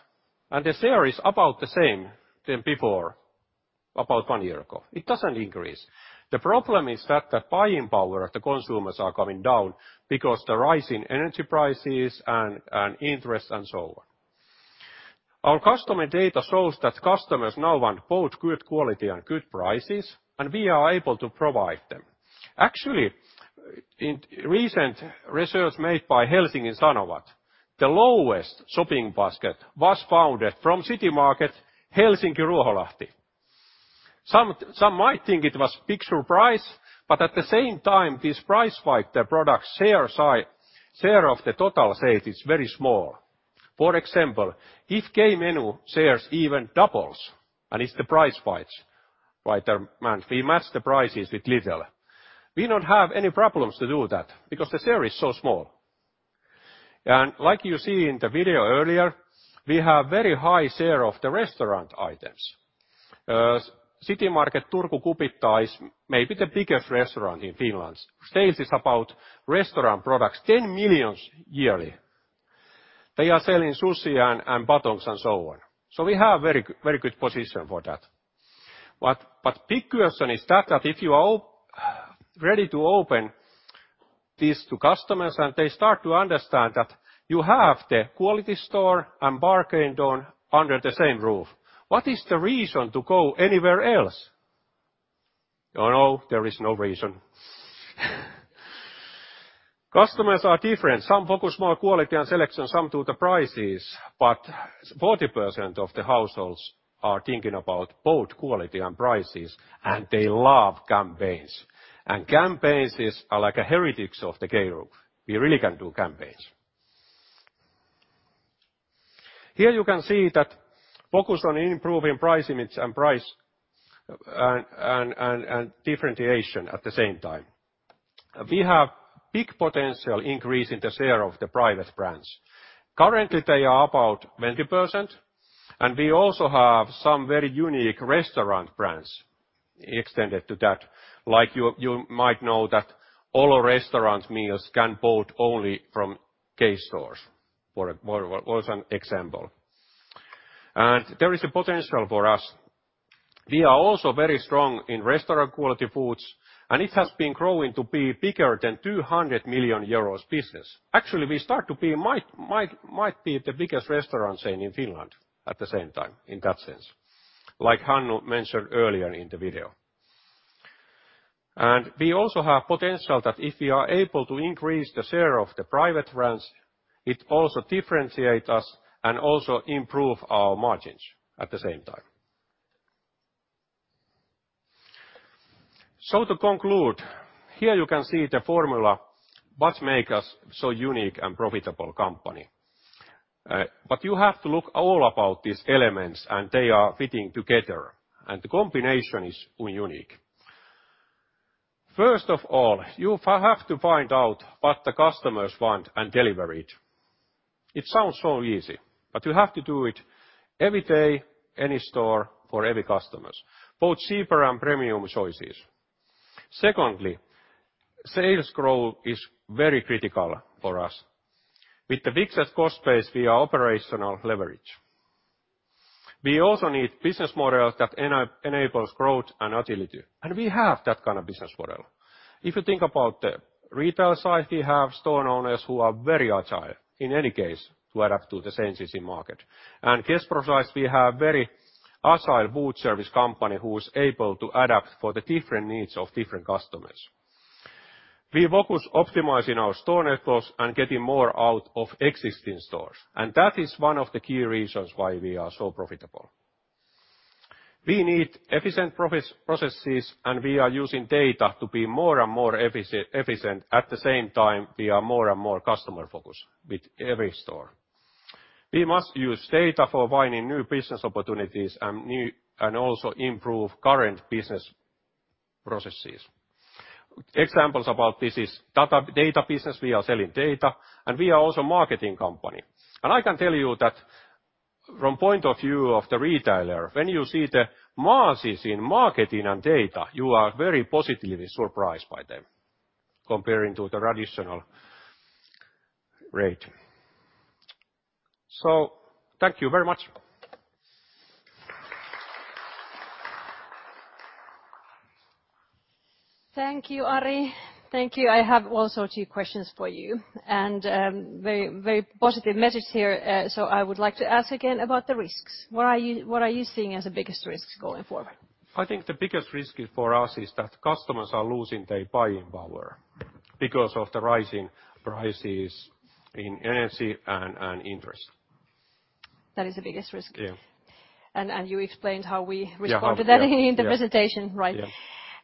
and the share is about the same than before, about one year ago. It doesn't increase. The problem is that the buying power of the consumers are coming down because the rise in energy prices and interest and so on. Our customer data shows that customers now want both good quality and good prices. We are able to provide them. Actually, in recent research made by Helsingin Sanomat, the lowest shopping basket was found from K-Citymarket Helsinki, Ruoholahti. Some might think it was big surprise. At the same time, this price spike, the product share of the total sale is very small. For example, if K-Menu shares even doubles. It's the price fights right there. We match the prices with little. We don't have any problems to do that because the share is so small. Like you see in the video earlier, we have very high share of the restaurant items. K-Citymarket in Turku Kupittaa is maybe the biggest restaurant in Finland. Sales is about restaurant products 10 million yearly. They are selling sushi and batons and so on. We have very good position for that. Big question is that if you are ready to open this to customers and they start to understand that you have the quality store and bargain store under the same roof, what is the reason to go anywhere else? Oh, no, there is no reason. Customers are different. Some focus more quality and selection, some to the prices. 40% of the households are thinking about both quality and prices, and they love campaigns. Campaigns are like a heritage of the K Group. We really can do campaigns. Here you can see that focus on improving price image and price and differentiation at the same time. We have big potential increase in the share of the private brands. Currently, they are about 20%. We also have some very unique restaurant brands extended to that. Like you might know that all our restaurant meals can bought only from K stores, or as an example. There is a potential for us. We are also very strong in restaurant quality foods, and it has been growing to be bigger than 200 million euros business. Actually, we start to be might be the biggest restaurant chain in Finland at the same time, in that sense, like [Hannu] mentioned earlier in the video. We also have potential that if we are able to increase the share of the private brands, it also differentiate us and also improve our margins at the same time. To conclude, here you can see the formula, what make us so unique and profitable company. You have to look all about these elements, and they are fitting together, and the combination is unique. First of all, you have to find out what the customers want and deliver it. It sounds so easy, but you have to do it every day, any store, for every customers, both cheaper and premium choices. Secondly, sales growth is very critical for us. With the fixed cost base, we are operational leverage. We also need business model that enables growth and agility, and we have that kind of business model. If you think about the retail side, we have store owners who are very agile in any case to adapt to the changing market. On Kespro side, we have very agile food service company who is able to adapt for the different needs of different customers. We focus optimizing our store networks and getting more out of existing stores, and that is one of the key reasons why we are so profitable. We need efficient processes, and we are using data to be more and more efficient, at the same time, we are more and more customer-focused with every store. We must use data for finding new business opportunities and also improve current business processes. Examples about this is data business, we are selling data, and we are also marketing company. I can tell you that from point of view of the retailer, when you see the margins in marketing and data, you are very positively surprised by them comparing to the traditional rate. Thank you very much. Thank you, Ari. Thank you. I have also two questions for you. Very, very positive message here. I would like to ask again about the risks. What are you seeing as the biggest risks going forward? I think the biggest risk for us is that customers are losing their buying power because of the rising prices in energy and interest. That is the biggest risk? Yeah. You explained how we- Yeah. ...to that in the presentation.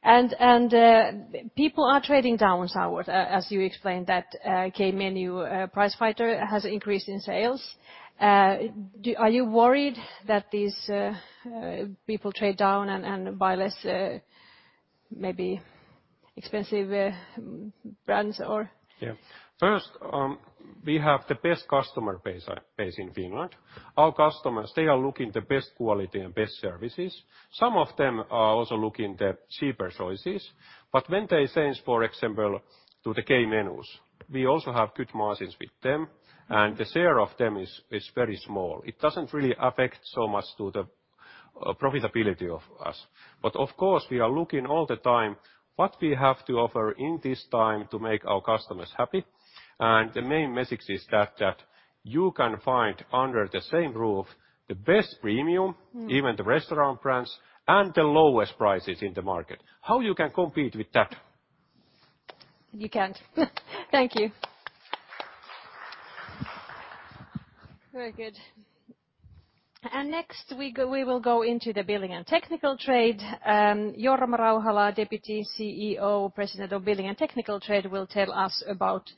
People are trading downwards, as you explained that, K-Menu, price fighter has increased in sales. Are you worried that these people trade down and buy less, maybe expensive brands or? First, we have the best customer base in Finland. Our customers, they are looking the best quality and best services. Some of them are also looking the cheaper choices. When they change, for example, to the K-Menus, we also have good margins with them, and the share of them is very small. It doesn't really affect so much to the profitability of us. Of course, we are looking all the time what we have to offer in this time to make our customers happy. The main message is that you can find under the same roof, the best premium, even the restaurant brands, and the lowest prices in the market. How you can compete with that? You can't. Thank you. Very good. Next, we will go into the Building and Technical Trade. Jorma Rauhala, Deputy CEO, President of Building and Technical Trade, will tell us about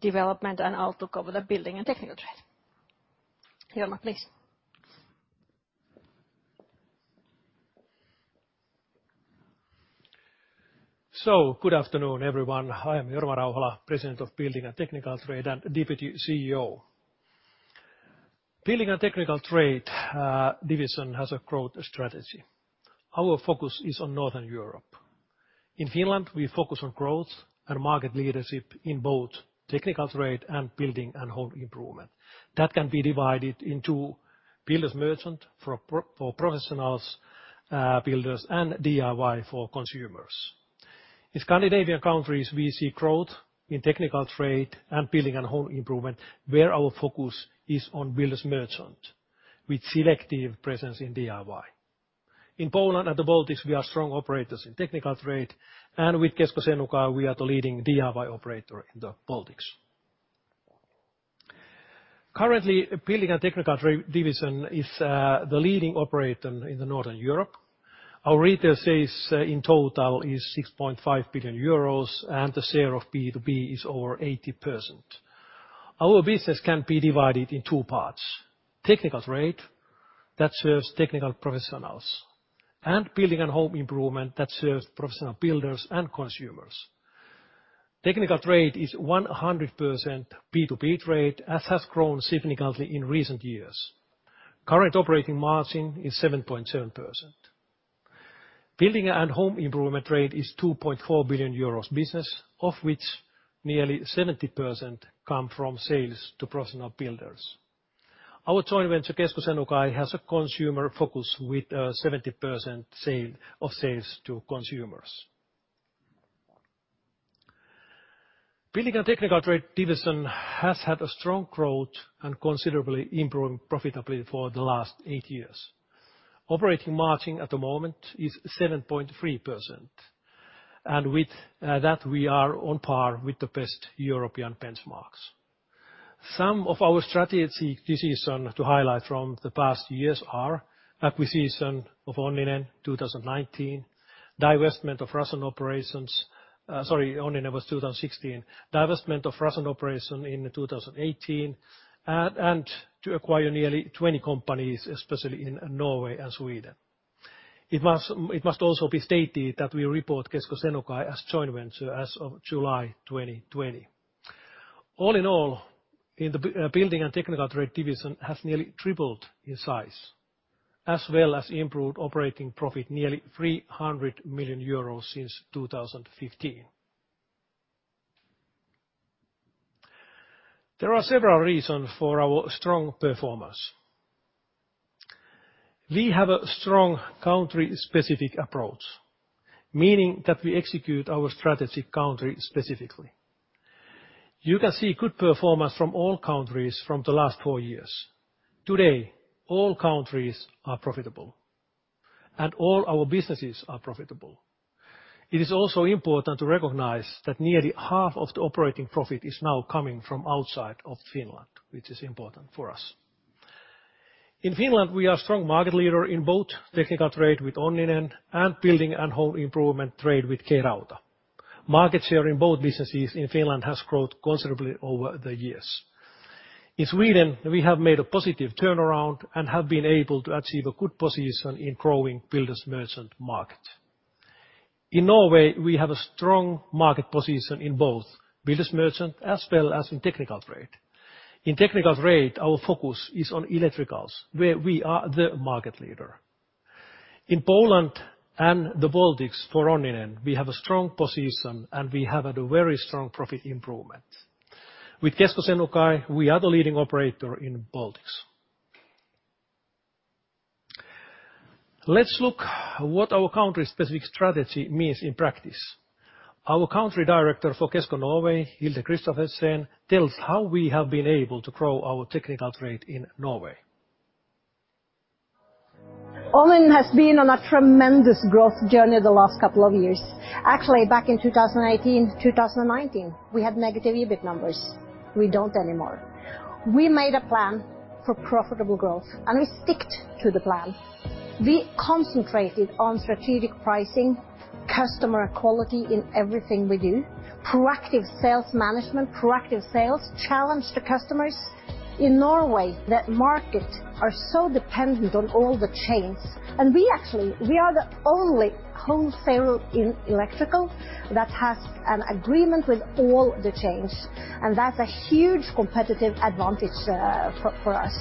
development and outlook over the Building and Technical Trade. Jorma, please. Good afternoon, everyone. I am Jorma Rauhala, President of Building and Technical Trade, and Deputy CEO. Building and Technical Trade division has a growth strategy. Our focus is on Northern Europe. In Finland, we focus on growth and market leadership in both technical trade and building and home improvement. That can be divided into builders merchant for professionals, builders, and DIY for consumers. In Scandinavian countries, we see growth in technical trade and building and home improvement, where our focus is on builders merchant with selective presence in DIY. In Poland and the Baltics, we are strong operators in technical trade, and with Kesko Senukai, we are the leading DIY operator in the Baltics. Currently, Building and Technical Trade division is the leading operator in Northern Europe. Our retail sales, in total is 6.5 billion euros, and the share of B2B is over 80%. Our business can be divided in two parts. Technical Trade, that serves technical professionals. Building and Home Improvement, that serves professional builders and consumers. Technical Trade is 100% B2B trade, as has grown significantly in recent years. Current operating margin is 7.7%. Building and Home Improvement Trade is 2.4 billion euros business, of which nearly 70% come from sales to professional builders. Our joint venture, Kesko Senukai, has a consumer focus with 70% sale, of sales to consumers. Building and Technical Trade division has had a strong growth and considerably improving profitability for the last eight years. Operating margin at the moment is 7.3%, with that we are on par with the best European benchmarks. Some of our strategic decision to highlight from the past years are acquisition of Onninen 2019, divestment of Russian operations. Sorry, Onninen was 2016. Divestment of Russian operation in 2018. To acquire nearly 20 companies, especially in Norway and Sweden. It must also be stated that we report Kesko Senukai as joint venture as of July 2020. All in all, in the building and technical trade division has nearly tripled in size, as well as improved operating profit, nearly 300 million euros since 2015. There are several reasons for our strong performance. We have a strong country-specific approach, meaning that we execute our strategy country specifically. You can see good performance from all countries from the last four years. Today, all countries are profitable and all our businesses are profitable. It is also important to recognize that nearly half of the operating profit is now coming from outside of Finland, which is important for us. In Finland, we are strong market leader in both technical trade with Onninen and building and home improvement trade with K-Rauta. Market share in both businesses in Finland has grown considerably over the years. In Sweden, we have made a positive turnaround and have been able to achieve a good position in growing builders merchant market. In Norway, we have a strong market position in both builders merchant as well as in technical trade. In technical trade, our focus is on electricals, where we are the market leader. In Poland and the Baltics, for Onninen, we have a strong position and we have had a very strong profit improvement. With Kesko Senukai, we are the leading operator in Baltics. Let's look what our country's specific strategy means in practice. Our Country Director for Kesko Norway, Hilde Kristoffersen, tells how we have been able to grow our technical trade in Norway. Onninen has been on a tremendous growth journey the last couple of years. Actually, back in 2018, 2019, we had negative EBIT numbers. We don't anymore. We made a plan for profitable growth, we sticked to the plan. We concentrated on strategic pricing, customer quality in everything we do, proactive sales management, proactive sales, challenge the customers. In Norway, that market are so dependent on all the chains, we actually, we are the only wholesaler in electrical that has an agreement with all the chains, that's a huge competitive advantage, for us.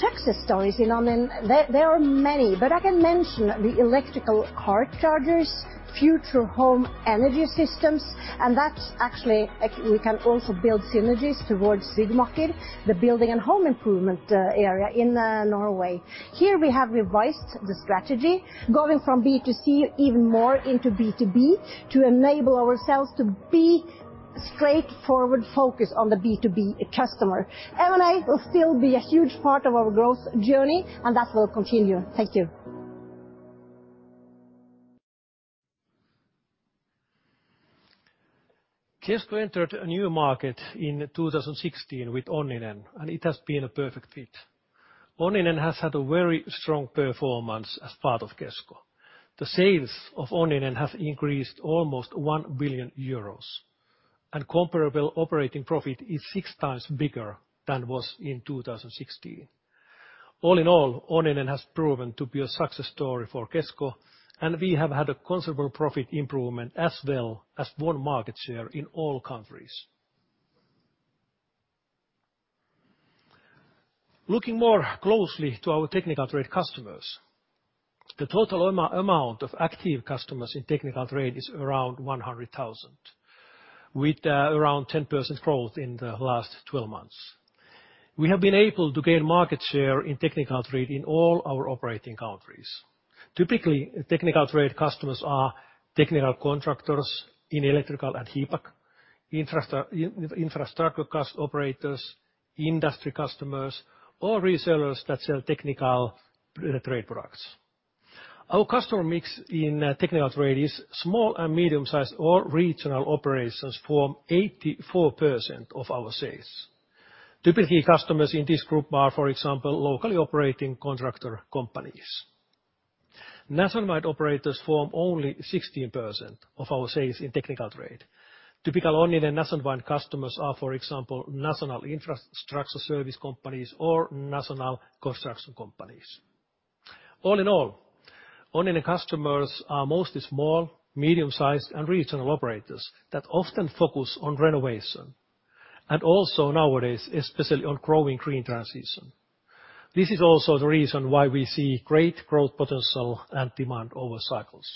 Success stories in Onninen, there are many, but I can mention the electrical car chargers, future home energy systems, that's actually we can also build synergies towards Byggmakker, the building and home improvement, area in Norway. Here we have revised the strategy going from B2C even more into B2B to enable ourselves to be straightforward focused on the B2B customer. M&A will still be a huge part of our growth journey, that will continue. Thank you. Kesko entered a new market in 2016 with Onninen, and it has been a perfect fit. Onninen has had a very strong performance as part of Kesko. The sales of Onninen have increased almost 1 billion euros, and comparable operating profit is 6x bigger than it was in 2016. All in all, Onninen has proven to be a success story for Kesko, and we have had a considerable profit improvement as well as won market share in all countries. Looking more closely to our technical trade customers, the total amount of active customers in technical trade is around 100,000, with around 10% growth in the last 12 months. We have been able to gain market share in technical trade in all our operating countries. Typically, technical trade customers are technical contractors in electrical and HVAC, infrastructure operators, industry customers, or resellers that sell technical trade products. Our customer mix in technical trade is small and medium-sized or regional operators form 84% of our sales. Typical key customers in this group are, for example, locally operating contractor companies. Nationwide operators form only 16% of our sales in technical trade. Typical Onninen nationwide customers are, for example, national infrastructure service companies or national construction companies. All in all, Onninen customers are mostly small, medium-sized, and regional operators that often focus on renovation and also nowadays especially on growing green transition. This is also the reason why we see great growth potential and demand over cycles.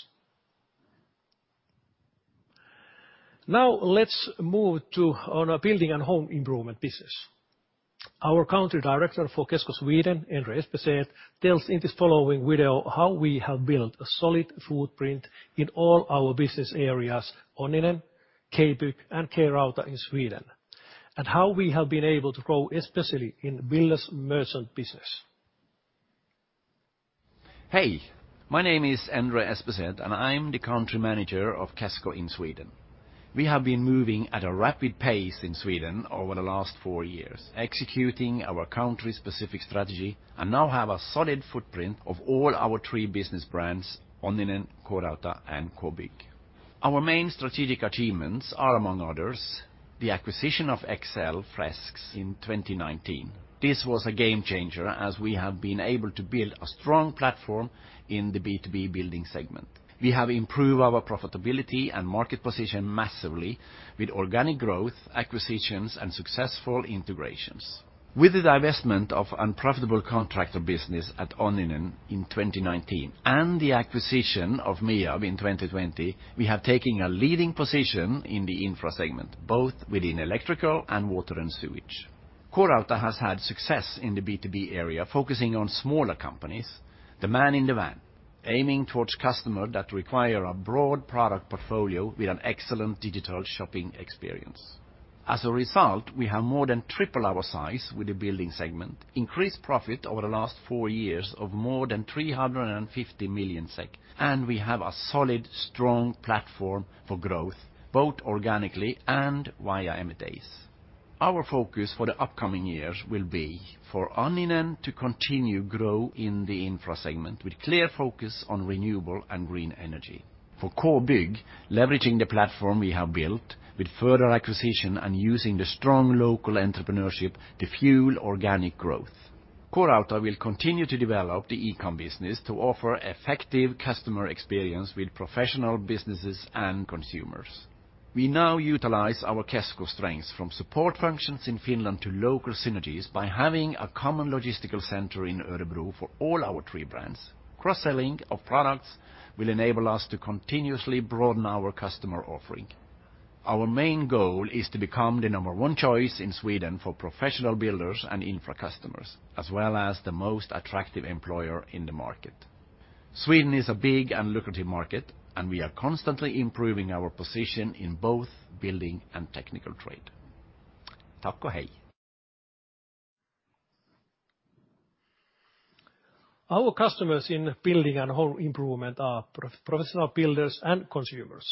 Let's move to on our building and home improvement business. Our country director for Kesko Sweden, Endre Espeseth, tells in this following video how we have built a solid footprint in all our business areas, Onninen, K-Bygg, and K-Rauta in Sweden, and how we have been able to grow especially in builders merchant business. Hey, my name is Endre Espeseth, and I'm the country manager of Kesko in Sweden. We have been moving at a rapid pace in Sweden over the last four years, executing our country's specific strategy and now have a solid footprint of all our three business brands, Onninen, K-Rauta, and K-Bygg. Our main strategic achievements are, among others, the acquisition of Fresks in 2019. This was a game changer as we have been able to build a strong platform in the B2B building segment. We have improved our profitability and market position massively with organic growth, acquisitions, and successful integrations. With the divestment of unprofitable contractor business at Onninen in 2019, and the acquisition of MIAB in 2020, we have taken a leading position in the infra segment, both within electrical and water and sewage. K-Rauta has had success in the B2B area, focusing on smaller companies, the man in the van, aiming towards customer that require a broad product portfolio with an excellent digital shopping experience. As a result, we have more than tripled our size with the building segment, increased profit over the last four years of more than 350 million SEK, and we have a solid, strong platform for growth, both organically and via M&As. Our focus for the upcoming years will be for Onninen to continue grow in the infra segment with clear focus on renewable and green energy. For K-Bygg, leveraging the platform we have built with further acquisition and using the strong local entrepreneurship to fuel organic growth. K-Rauta will continue to develop the e-com business to offer effective customer experience with professional businesses and consumers. We now utilize our Kesko strengths from support functions in Finland to local synergies by having a common logistical center in Örebro for all our three brands. Cross-selling of products will enable us to continuously broaden our customer offering. Our main goal is to become the number one choice in Sweden for professional builders and infra customers, as well as the most attractive employer in the market. Sweden is a big and lucrative market, and we are constantly improving our position in both building and technical trade. Our customers in building and home improvement are professional builders and consumers.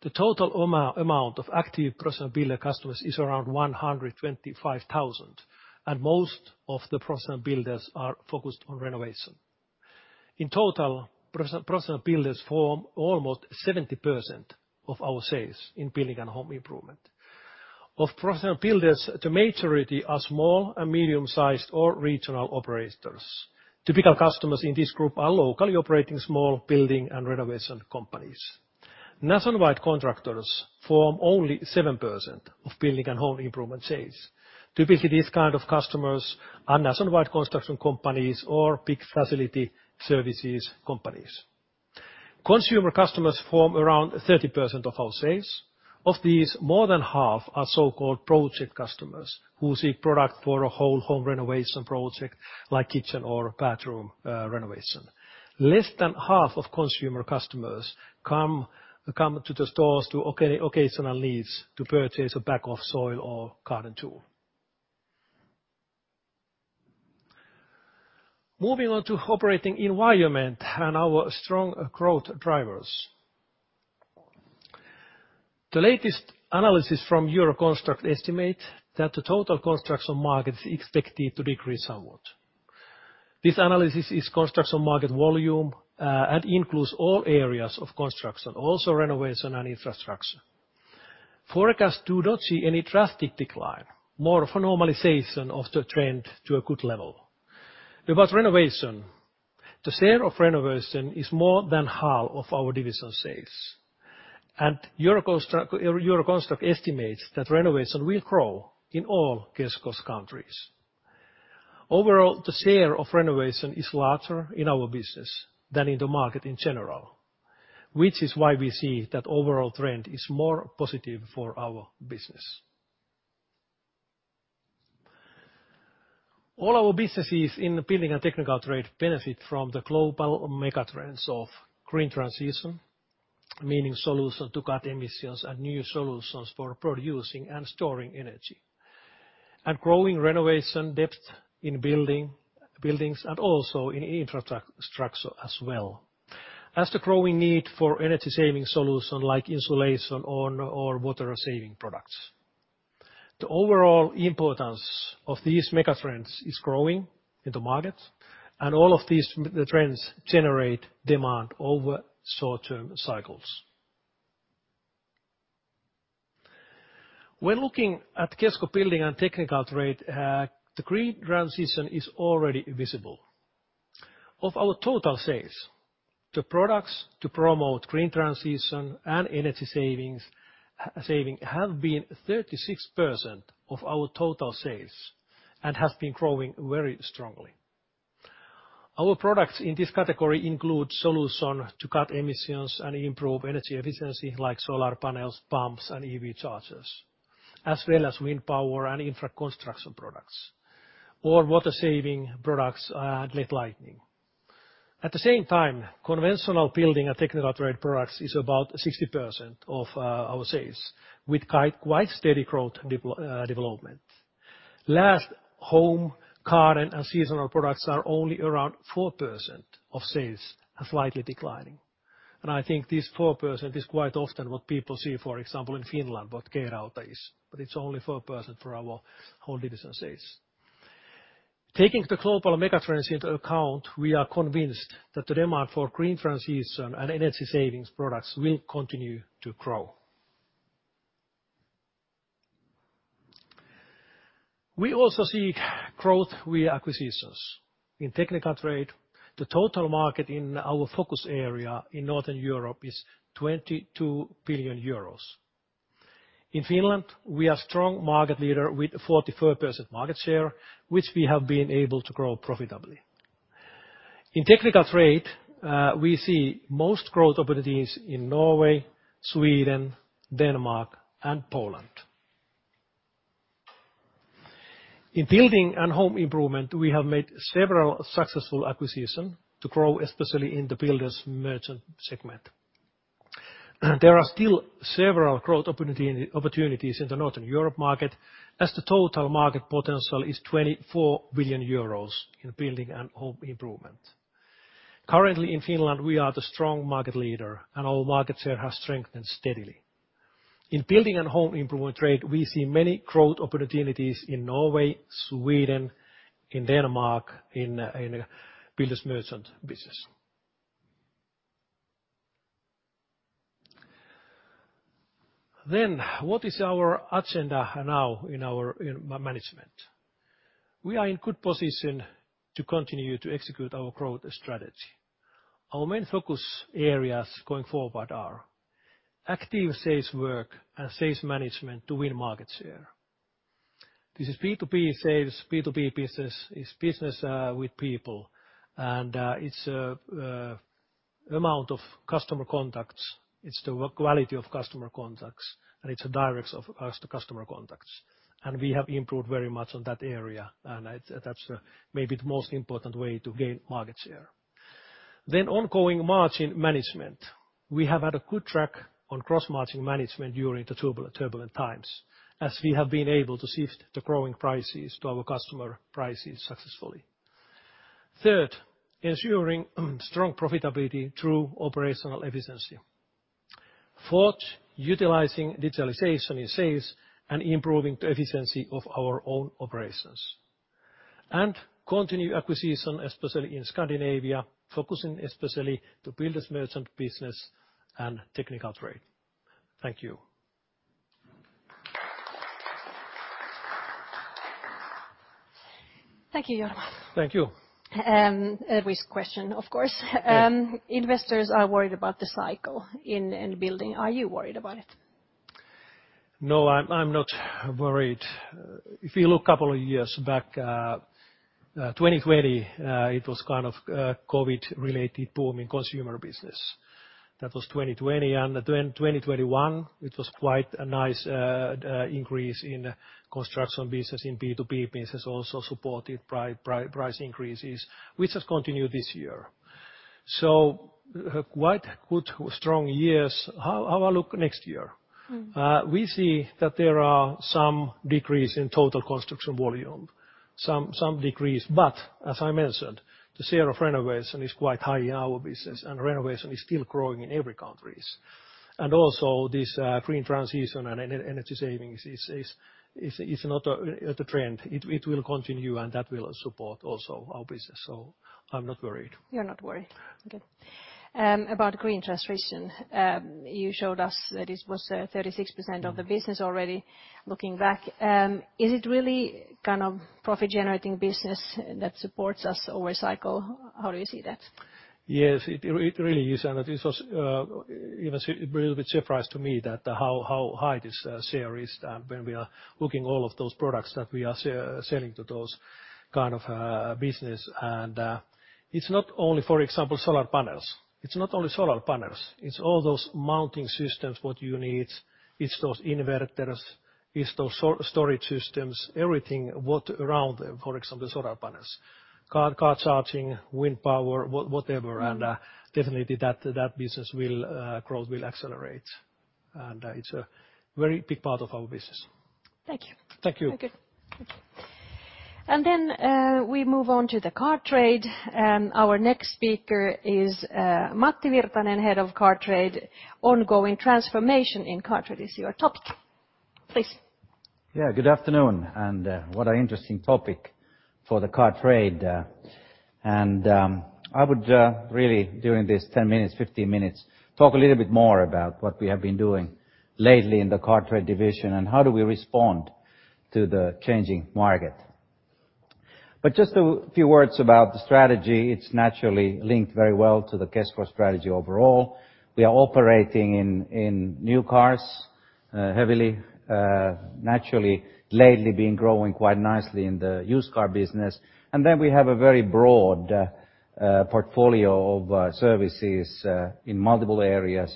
The total amount of active professional builder customers is around 125,000, and most of the professional builders are focused on renovation. In total, professional builders form almost 70% of our sales in building and home improvement. Of professional builders, the majority are small and medium-sized or regional operators. Typical customers in this group are locally operating small building and renovation companies. Nationwide contractors form only 7% of building and home improvement sales. Typically, these kind of customers are nationwide construction companies or big facility services companies. Consumer customers form around 30% of our sales. Of these, more than half are so-called project customers who seek product for a whole home renovation project, like kitchen or bathroom, renovation. Less than half of consumer customers come to the stores to occasional needs to purchase a bag of soil or garden tool. Moving on to operating environment and our strong growth drivers. The latest analysis from Euroconstruct estimate that the total construction market is expected to decrease somewhat. This analysis is construction market volume, and includes all areas of construction, also renovation and infrastructure. Forecast do not see any drastic decline, more of a normalization of the trend to a good level. About renovation, the sale of renovation is more than half of our division sales. Euroconstruct estimates that renovation will grow in all Kesko's countries. Overall, the share of renovation is larger in our business than in the market in general, which is why we see that overall trend is more positive for our business. All our businesses in building and technical trade benefit from the global mega trends of green transition, meaning solution to cut emissions and new solutions for producing and storing energy. Growing renovation depth in buildings and also in infrastructure as well. As the growing need for energy saving solution like insulation or water saving products. The overall importance of these mega trends is growing in the market, and all of these mega trends generate demand over short-term cycles. When looking at Kesko Building and Technical Trade, the green transition is already visible. Of our total sales, the products to promote green transition and energy savings have been 36% of our total sales and has been growing very strongly. Our products in this category include solution to cut emissions and improve energy efficiency like solar panels, pumps, and EV chargers, as well as wind power and infra construction products or water saving products, and LED lighting. At the same time, conventional building and technical trade products is about 60% of our sales with quite steady growth development. Last, home, garden, and seasonal products are only around 4% of sales and slightly declining. I think this 4% is quite often what people see, for example, in Finland, what K-Rauta is, but it's only 4% for our whole division sales. Taking the global megatrends into account, we are convinced that the demand for green transition and energy savings products will continue to grow. We also see growth via acquisitions. In technical trade, the total market in our focus area in Northern Europe is 22 billion euros. In Finland, we are strong market leader with 44% market share, which we have been able to grow profitably. In technical trade, we see most growth opportunities in Norway, Sweden, Denmark, and Poland. In building and home improvement, we have made several successful acquisition to grow, especially in the builder's merchant segment. There are still several growth opportunities in the Northern Europe market, as the total market potential is 24 billion euros in building and home improvement. Currently in Finland, we are the strong market leader and our market share has strengthened steadily. In building and home improvement trade, we see many growth opportunities in Norway, Sweden, in Denmark, in builder's merchant business. What is our agenda now in our management? We are in good position to continue to execute our growth strategy. Our main focus areas going forward are active sales work and sales management to win market share. This is B2B sales. B2B business is business with people, and it's amount of customer contacts, it's the quality of customer contacts, and it's the directs of, as the customer contacts. We have improved very much on that area, and that's maybe the most important way to gain market share. Ongoing margin management. We have had a good track on cross margin management during the turbulent times, as we have been able to shift the growing prices to our customer prices successfully. Third, ensuring strong profitability through operational efficiency. Fourth, utilizing digitalization in sales and improving the efficiency of our own operations. Continue acquisition, especially in Scandinavia, focusing especially to builder's merchant business and technical trade. Thank you. Thank you. Thank you. First question, of course. Investors are worried about the cycle in end building. Are you worried about it? No, I'm not worried. If you look couple of years back, 2020, it was kind of COVID-related boom in consumer business. That was 2020. The 2021, it was quite a nice increase in construction business, in B2B business, also supported price increases, which has continued this year. Quite good, strong years. How I look next year? We see that there are some decrease in total construction volume. Some decrease, as I mentioned, the sale of renovation is quite high in our business, and renovation is still growing in every countries. Also this green transition and energy savings is another the trend. It will continue, that will support also our business. I'm not worried. You're not worried. No. Okay. About green transition, you showed us that it was 36% of the business already looking back. Is it really kind of profit generating business that supports us over cycle? How do you see that? Yes, it really is, this was even a little bit surprise to me that how high this share is when we are looking all of those products that we are selling to those kind of business. It's not only, for example, solar panels. It's not only solar panels. It's all those mounting systems what you need. It's those inverters. It's those storage systems. Everything what around, for example, solar panels. Car charging, wind power, whatever. Definitely that business will growth will accelerate. It's a very big part of our business. Thank you. Thank you. Okay. Thank you. Then, we move on to the Car Trade. Our next speaker is Matti Virtanen, Head of Car Trade. Ongoing transformation in Car Trade is your topic. Please. Yeah, good afternoon, and what an interesting topic for the car trade. I would really during this 10 minutes, 15 minutes, talk a little bit more about what we have been doing lately in the car trade division and how do we respond to the changing market. Just a few words about the strategy. It's naturally linked very well to the Kesko strategy overall. We are operating in new cars, heavily, naturally lately been growing quite nicely in the used car business. We have a very broad portfolio of services in multiple areas,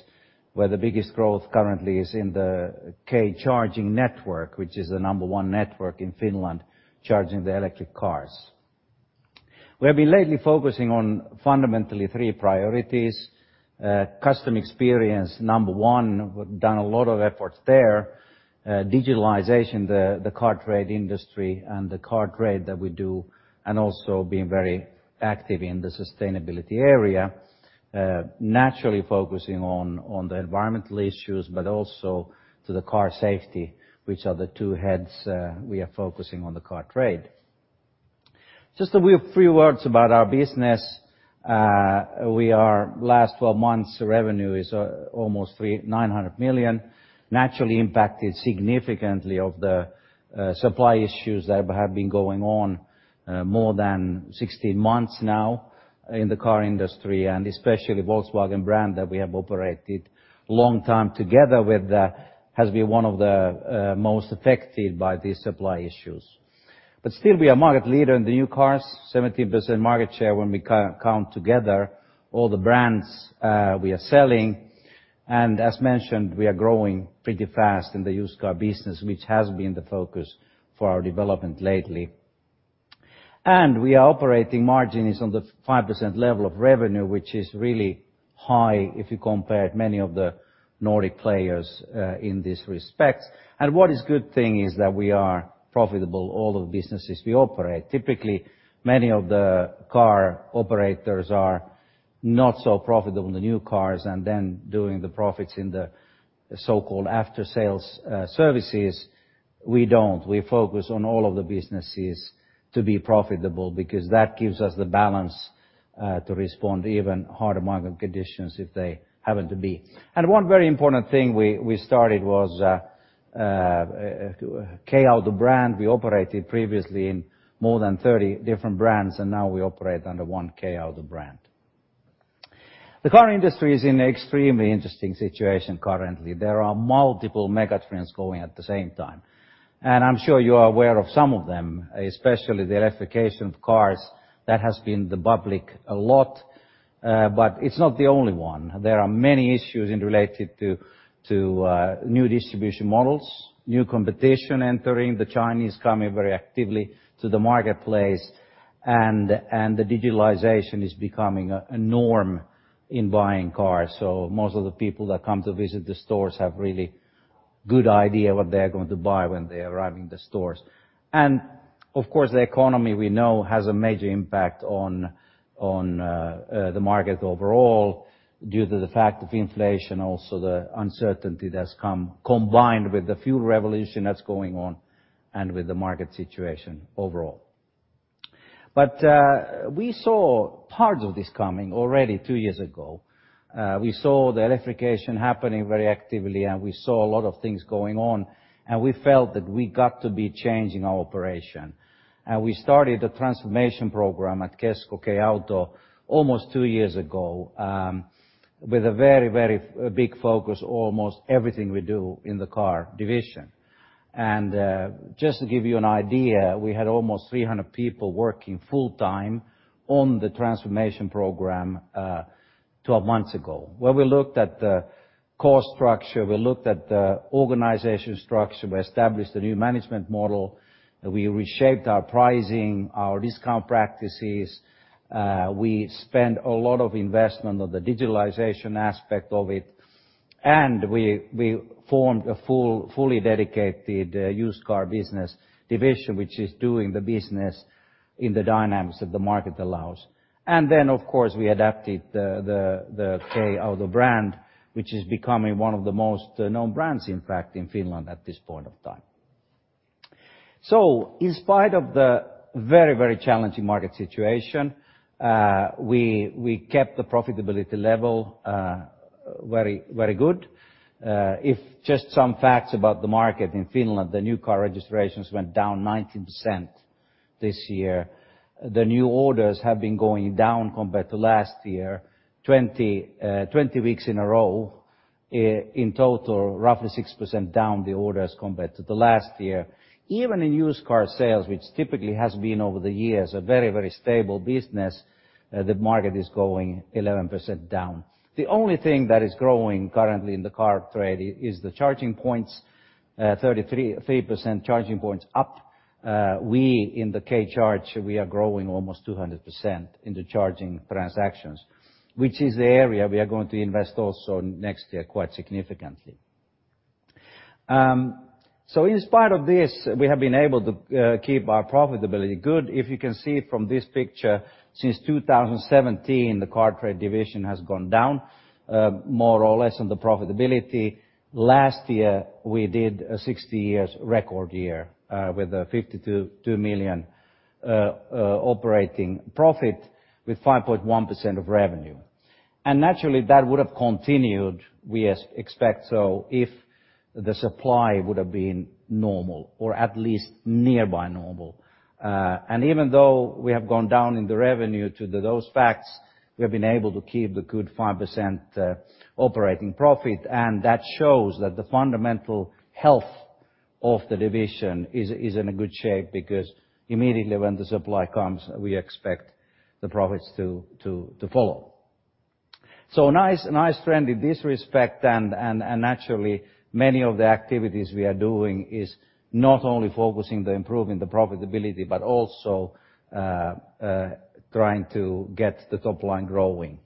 where the biggest growth currently is in the K Charging network, which is the number one network in Finland charging the electric cars. We have been lately focusing on fundamentally three priorities: customer experience, number one. We've done a lot of efforts there. Digitalization the car trade industry and the car trade that we do, and also being very active in the sustainability area, naturally focusing on the environmental issues, but also to the car safety, which are the two heads we are focusing on the car trade. Just a few words about our business. We are last 12 months' revenue is almost 900 million. Naturally impacted significantly of the supply issues that have been going on, more than 16 months now in the car industry, and especially Volkswagen brand that we have operated long time together with, has been one of the most affected by these supply issues. Still, we are market leader in the new cars, 17% market share when we co-count together all the brands we are selling. As mentioned, we are growing pretty fast in the used car business, which has been the focus for our development lately. We are operating margin is on the 5% level of revenue, which is really high if you compare many of the Nordic players in this respect. What is good thing is that we are profitable all the businesses we operate. Typically, many of the car operators are not so profitable in the new cars, and then doing the profits in the so-called after-sales services. We don't. We focus on all of the businesses to be profitable because that gives us the balance to respond even harder market conditions if they happen to be. One very important thing we started was K-Auto brand. We operated previously in more than 30 different brands, and now we operate under one K-Auto brand. The car industry is in extremely interesting situation currently. There are multiple mega trends going at the same time. I'm sure you are aware of some of them, especially the electrification of cars. That has been the public a lot, but it's not the only one. There are many issues related to new distribution models, new competition entering, the Chinese coming very actively to the marketplace, and the digitalization is becoming a norm in buying cars. Most of the people that come to visit the stores have really good idea what they are going to buy when they are arriving the stores. Of course, the economy we know has a major impact on the market overall due to the fact of inflation, also the uncertainty that's come combined with the fuel revolution that's going on and with the market situation overall. We saw parts of this coming already two years ago. We saw the electrification happening very actively, and we saw a lot of things going on, and we felt that we got to be changing our operation. We started a transformation program at Kesko K-Auto almost two years ago, with a very, very big focus, almost everything we do in the car division. Just to give you an idea, we had almost 300 people working full-time on the transformation program, 12 months ago, where we looked at the cost structure, we looked at the organization structure, we established a new management model, we reshaped our pricing, our discount practices, we spent a lot of investment on the digitalization aspect of it, and we formed a fully dedicated used car business division, which is doing the business in the dynamics that the market allows. Then, of course, we adapted the K-Auto brand, which is becoming one of the most known brands, in fact, in Finland at this point of time. In spite of the very challenging market situation, we kept the profitability level, very good. If just some facts about the market in Finland, the new car registrations went down 19% this year. The new orders have been going down compared to last year, 20 weeks in a row. In total, roughly 6% down the orders compared to the last year. Even in used car sales, which typically has been over the years a very, very stable business, the market is going 11% down. The only thing that is growing currently in the car trade is the charging points, 33.3% charging points up. In the K-Lataus, we are growing almost 200% in the charging transactions, which is the area we are going to invest also next year quite significantly. In spite of this, we have been able to keep our profitability good. If you can see from this picture, since 2017, the car trade division has gone down, more or less on the profitability. Last year, we did a 60 years record year, with a 52 million operating profit with 5.1% of revenue. Naturally, that would have continued, we expect so, if the supply would have been normal or at least nearby normal. Even though we have gone down in the revenue to those facts, we have been able to keep a good 5% operating profit, and that shows that the fundamental health of the division is in a good shape because immediately when the supply comes, we expect the profits to follow. Nice trend in this respect and naturally, many of the activities we are doing is not only focusing the improving the profitability, but also trying to get the top line growing.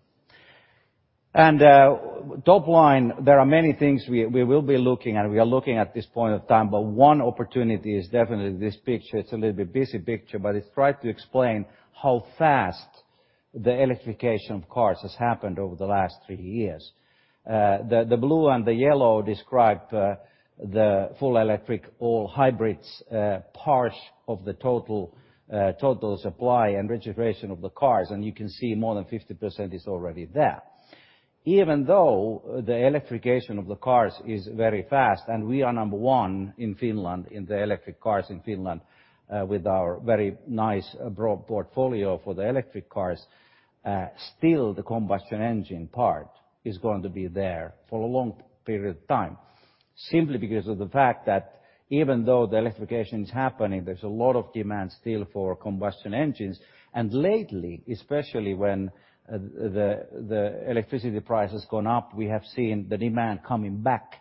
Top line, there are many things we will be looking at, we are looking at this point of time, but one opportunity is definitely this picture. It's a little bit busy picture, but it's try to explain how fast the electrification of cars has happened over the last three years. The blue and the yellow describe the full electric, all hybrids, part of the total supply and registration of the cars. You can see more than 50% is already there. Even though the electrification of the cars is very fast, and we are number one in Finland, in the electric cars in Finland, with our very nice broad portfolio for the electric cars, still the combustion engine part is going to be there for a long period of time simply because of the fact that even though the electrification is happening, there's a lot of demand still for combustion engines, and lately, especially when the electricity price has gone up, we have seen the demand coming back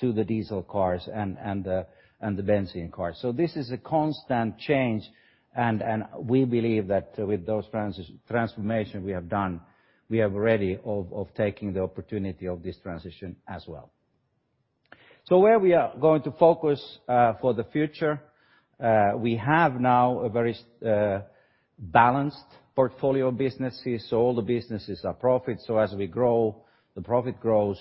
to the diesel cars and the gasoline cars. This is a constant change and we believe that with those transformation we have done, we are ready of taking the opportunity of this transition as well. Where we are going to focus for the future, we have now a very balanced portfolio of businesses, so all the businesses are profit. As we grow, the profit grows.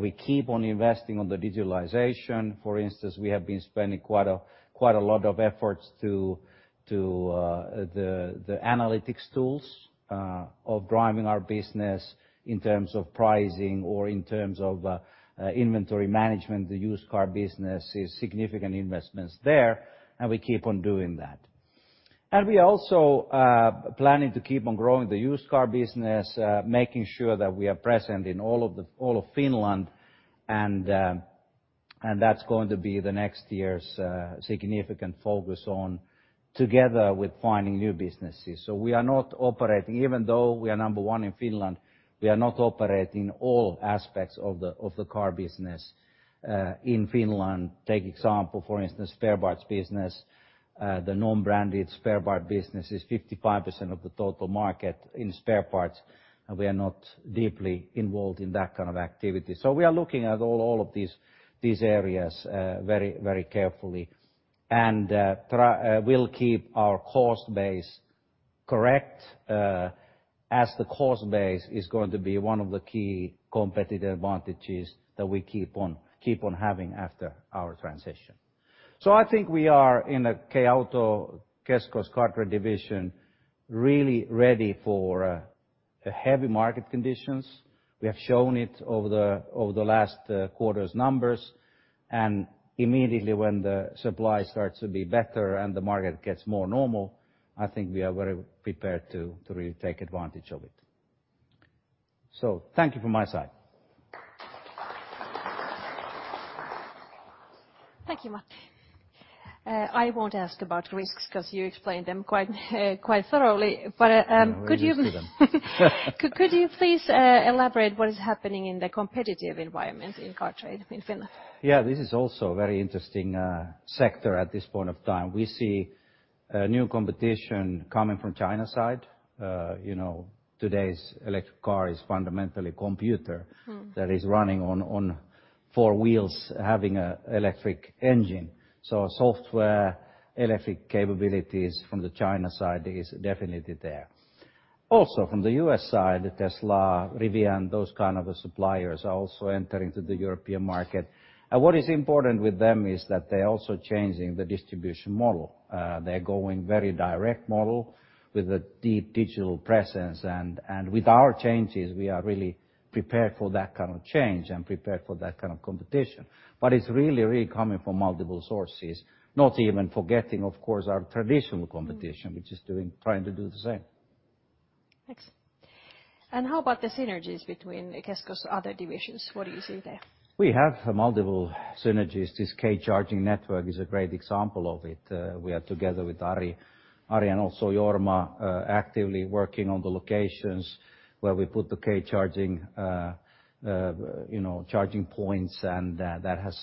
We keep on investing on the digitalization. For instance, we have been spending quite a, quite a lot of efforts to the analytics tools of driving our business in terms of pricing or in terms of inventory management. The used car business is significant investments there, and we keep on doing that. We also are planning to keep on growing the used car business, making sure that we are present in all of Finland and that's going to be the next year's significant focus on together with finding new businesses. We are not operating... Even though we are number one in Finland, we are not operating all aspects of the car business in Finland. Take example, for instance, spare parts business. The non-branded spare part business is 55% of the total market in spare parts, and we are not deeply involved in that kind of activity. We are looking at all of these areas carefully. We'll keep our cost base correct as the cost base is going to be one of the key competitive advantages that we keep on having after our transition. I think we are in a K-Auto, Kesko's car trade division, really ready for heavy market conditions. We have shown it over the last quarter's numbers. Immediately when the supply starts to be better and the market gets more normal, I think we are very prepared to really take advantage of it. Thank you from my side. Thank you, Matti. I won't ask about risks 'cause you explained them quite thoroughly. Could you please elaborate what is happening in the competitive environment in car trade in Finland? Yeah, this is also a very interesting sector at this point of time. We see new competition coming from China side. you know, today's electric car is fundamentally computer that is running on four wheels, having a electric engine. Software, electric capabilities from the China side is definitely there. Also, from the U.S. side, the Tesla, Rivian, those kind of suppliers are also entering to the European market. What is important with them is that they're also changing the distribution model. They're going very direct model with a deep digital presence. And with our changes, we are really prepared for that kind of change and prepared for that kind of competition. It's really coming from multiple sources, not even forgetting, of course, our traditional competition which is trying to do the same. Thanks. How about the synergies between Kesko's other divisions? What do you see there? We have multiple synergies. This K-charging network is a great example of it. We are together with Ari and also Jorma, actively working on the locations where we put the K-charging, you know, charging points and that has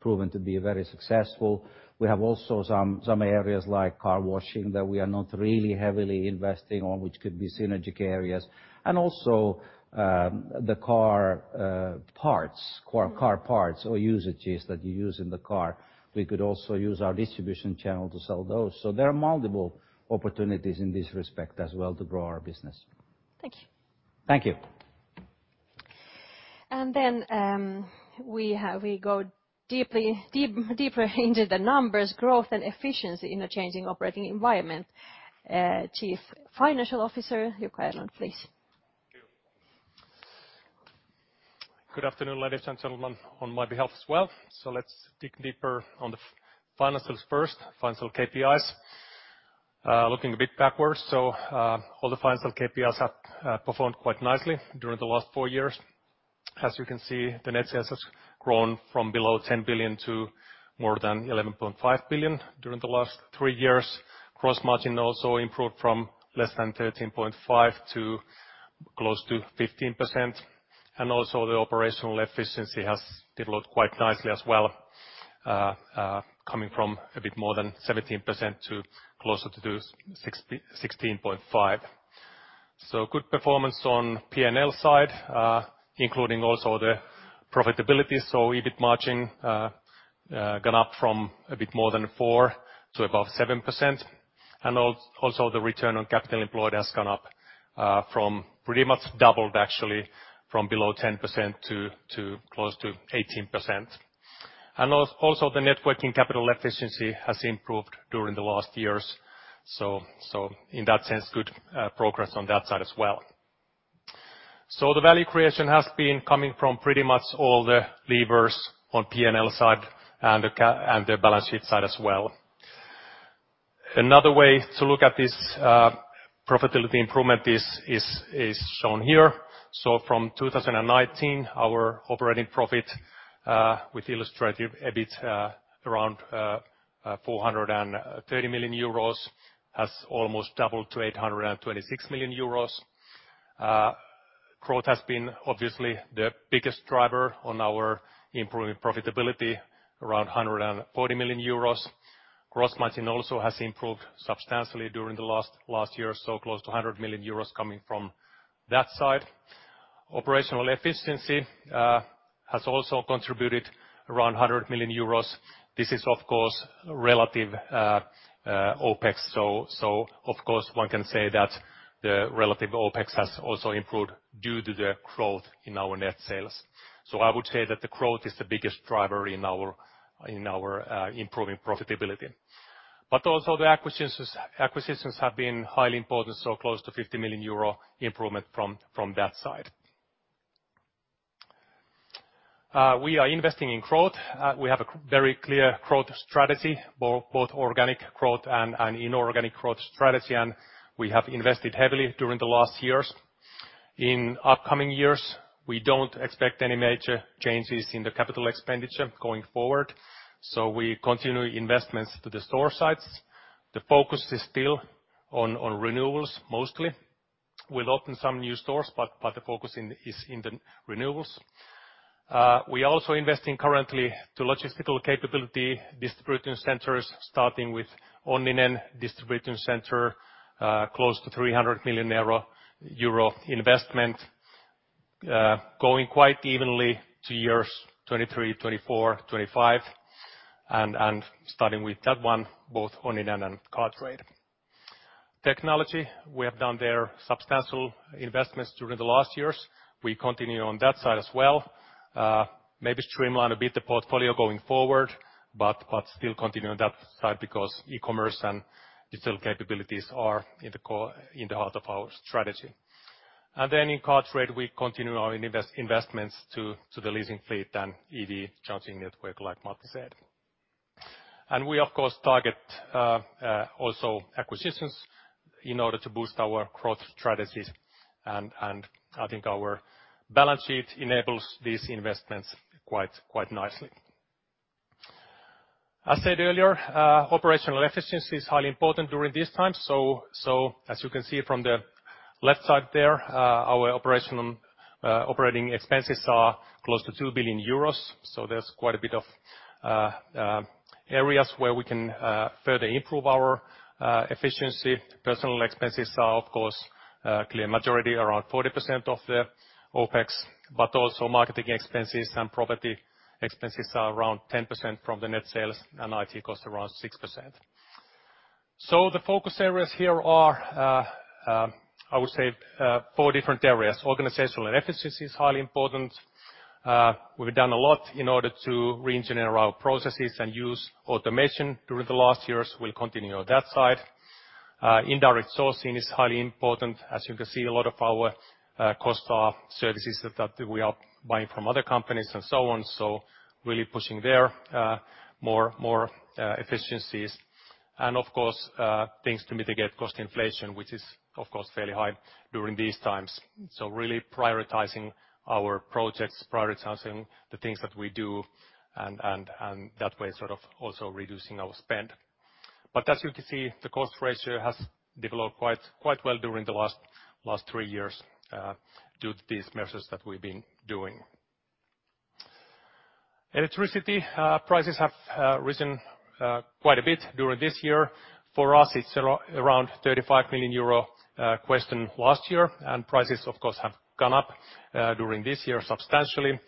proven to be very successful. We have also some areas like car washing that we are not really heavily investing on, which could be synergic areas. Also, the car parts or usages that you use in the car, we could also use our distribution channel to sell those. There are multiple opportunities in this respect as well to grow our business. Thank you. Thank you. We go deeply, deeper into the numbers, growth, and efficiency in the changing operating environment. Chief Financial Officer, Jukka Erlund, please. Thank you. Good afternoon, ladies and gentlemen. On my behalf as well. Let's dig deeper on the financials first, financial KPIs. Looking a bit backwards, all the financial KPIs have performed quite nicely during the last four years. As you can see, the net sales has grown from below 10 billion to more than 11.5 billion during the last three years. Gross margin also improved from less than 13.5% to close to 15%. Also the operational efficiency has developed quite nicely as well, coming from a bit more than 17% to closer to 16.5%. Good performance on P&L side, including also the profitability. EBIT margin gone up from a bit more than 4% to above 7%. Also the return on capital employed has gone up from pretty much doubled, actually, from below 10% to close to 18%. Also the net working capital efficiency has improved during the last years. So in that sense, good progress on that side as well. The value creation has been coming from pretty much all the levers on PNL side and the balance sheet side as well. Another way to look at this profitability improvement is shown here. From 2019, our operating profit with illustrative EBIT around 430 million euros, has almost doubled to 826 million euros. Uh, growth has been obviously the biggest driver on our improving profitability, around 140 million euros. Cross-margin also has improved substantially during the last, last year, so close to 100 million euros coming from that side. Operational efficiency, has also contributed around 100 million euros. This is of course relative, OPEX. So, so of course one can say that the relative OPEX has also improved due to the growth in our net sales. So I would say that the growth is the biggest driver in improving profitability. But also the acquisitions, acquisitions have been highly important, so close to 50 million euro improvement from, from that side. We are investing in growth. We have a very clear growth strategy, both organic growth, and inorganic growth strategy, and we have invested heavily during the last years. In upcoming years, we don't expect any major changes in the CapEx going forward, so we continue investments to the store sites. The focus is still on renewals mostly. We'll open some new stores, but the focus is in the renewals. We are also investing currently to logistical capability distribution centers, starting with Onninen distribution center, close to 300 million euro investment, going quite evenly to years 2023, 2024, 2025, and starting with that one, both Onninen and Car Trade. Technology, we have done there substantial investments during the last years. We continue on that side as well. Maybe streamline a bit the portfolio going forward, but still continue on that side because e-commerce and digital capabilities are in the core, in the heart of our strategy. In Car Trade, we continue our investments to the leasing fleet and EV charging network, like Matti said. We of course target also acquisitions in order to boost our growth strategies, and I think our balance sheet enables these investments quite nicely. As said earlier, operational efficiency is highly important during this time. As you can see from the left side there, our operational operating expenses are close to 2 billion euros. There's quite a bit of areas where we can further improve our efficiency. Personal expenses are of course a clear majority, around 40% of the OPEX, but also marketing expenses and property expenses are around 10% from the net sales, and IT costs around 6%. The focus areas here are, I would say, four different areas. Organizational efficiency is highly important. We've done a lot in order to re-engineer our processes and use automation during the last years. We'll continue on that side. Indirect sourcing is highly important. As you can see, a lot of our costs are services that we are buying from other companies and so on. Really pushing there, more efficiencies. Of course, things to mitigate cost inflation, which is of course fairly high during these times. Really prioritizing our projects, prioritizing the things that we do, and that way sort of also reducing our spend. As you can see, the cost ratio has developed quite well during the last three years due to these measures that we've been doing. Electricity prices have risen quite a bit during this year. For us, it's around 35 million euro question last year, and prices of course have gone up during this year substantially.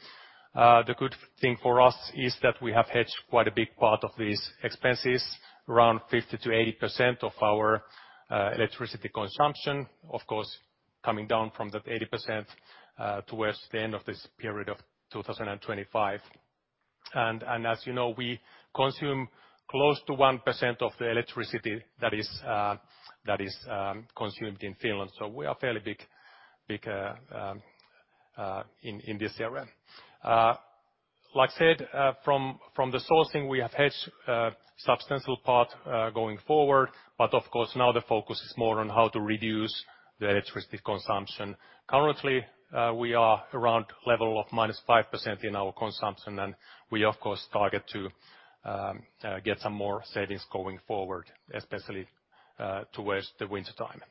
The good thing for us is that we have hedged quite a big part of these expenses, around 50%-80% of our electricity consumption. Of course, coming down from that 80% towards the end of this period of 2025. As you know, we consume close to 1% of the electricity that is consumed in Finland. We are fairly big in this area. Like I said, from the sourcing, we have hedged substantial part going forward, but of course, now the focus is more on how to reduce the electricity consumption. Currently, we are around level of -5% in our consumption. We of course target to get some more savings going forward, especially towards the winter time.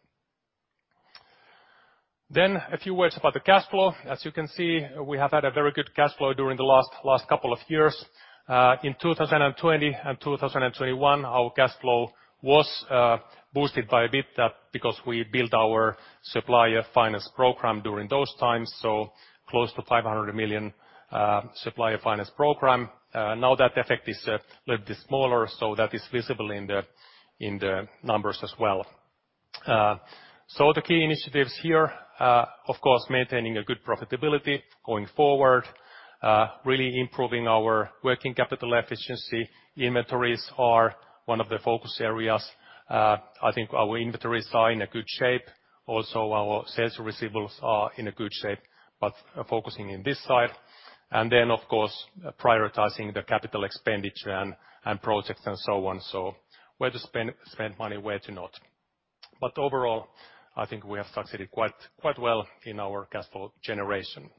A few words about the cash flow. As you can see, we have had a very good cash flow during the last couple of years. In 2020 and 2021, our cash flow was boosted by a bit because we built our supplier finance program during those times, so close to 500 million supplier finance program. Now that effect is a little bit smaller, that is visible in the numbers as well. The key initiatives here, of course, maintaining a good profitability going forward, really improving our working capital efficiency. Inventories are one of the focus areas. I think our inventories are in a good shape, also our sales receivables are in a good shape, focusing in this side. Of course, prioritizing the capital expenditure and projects, and so on. Where to spend money, where to not. Overall, I think we have succeeded quite well in our cash flow generation.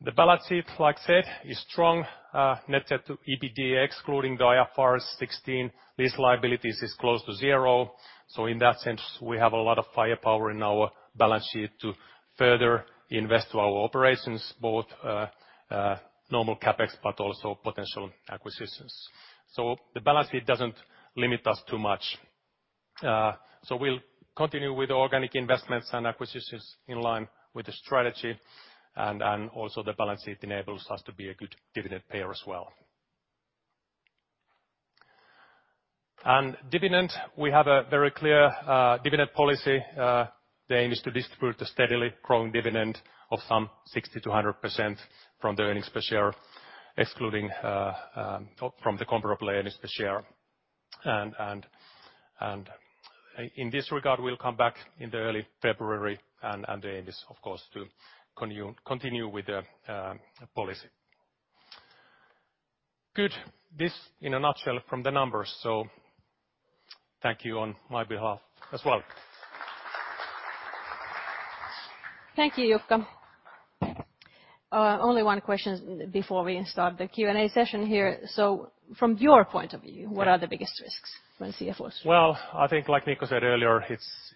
The balance sheet, like I said, is strong. Net debt to EBITDA, excluding the IFRS 16, these liabilities is close to zero. In that sense we have a lot of firepower in our balance sheet to further invest to our operations, both normal CapEx, but also potential acquisitions. The balance sheet doesn't limit us too much. We'll continue with organic investments and acquisitions in line with the strategy, and also the balance sheet enables us to be a good dividend payer as well. Dividend, we have a very clear dividend policy, the aim is to distribute a steadily growing dividend of some 60%-100% from the earnings per share, excluding or from the comparable earnings per share. In this regard we'll come back in the early February and the aim is, of course, to continue with the policy. Good. This in a nutshell from the numbers. Thank you on my behalf as well. Thank you, Jukka. Only one question before we start the Q&A session here. From your point of view. What are the biggest risks when CFO speaks? I think like Mikko said earlier,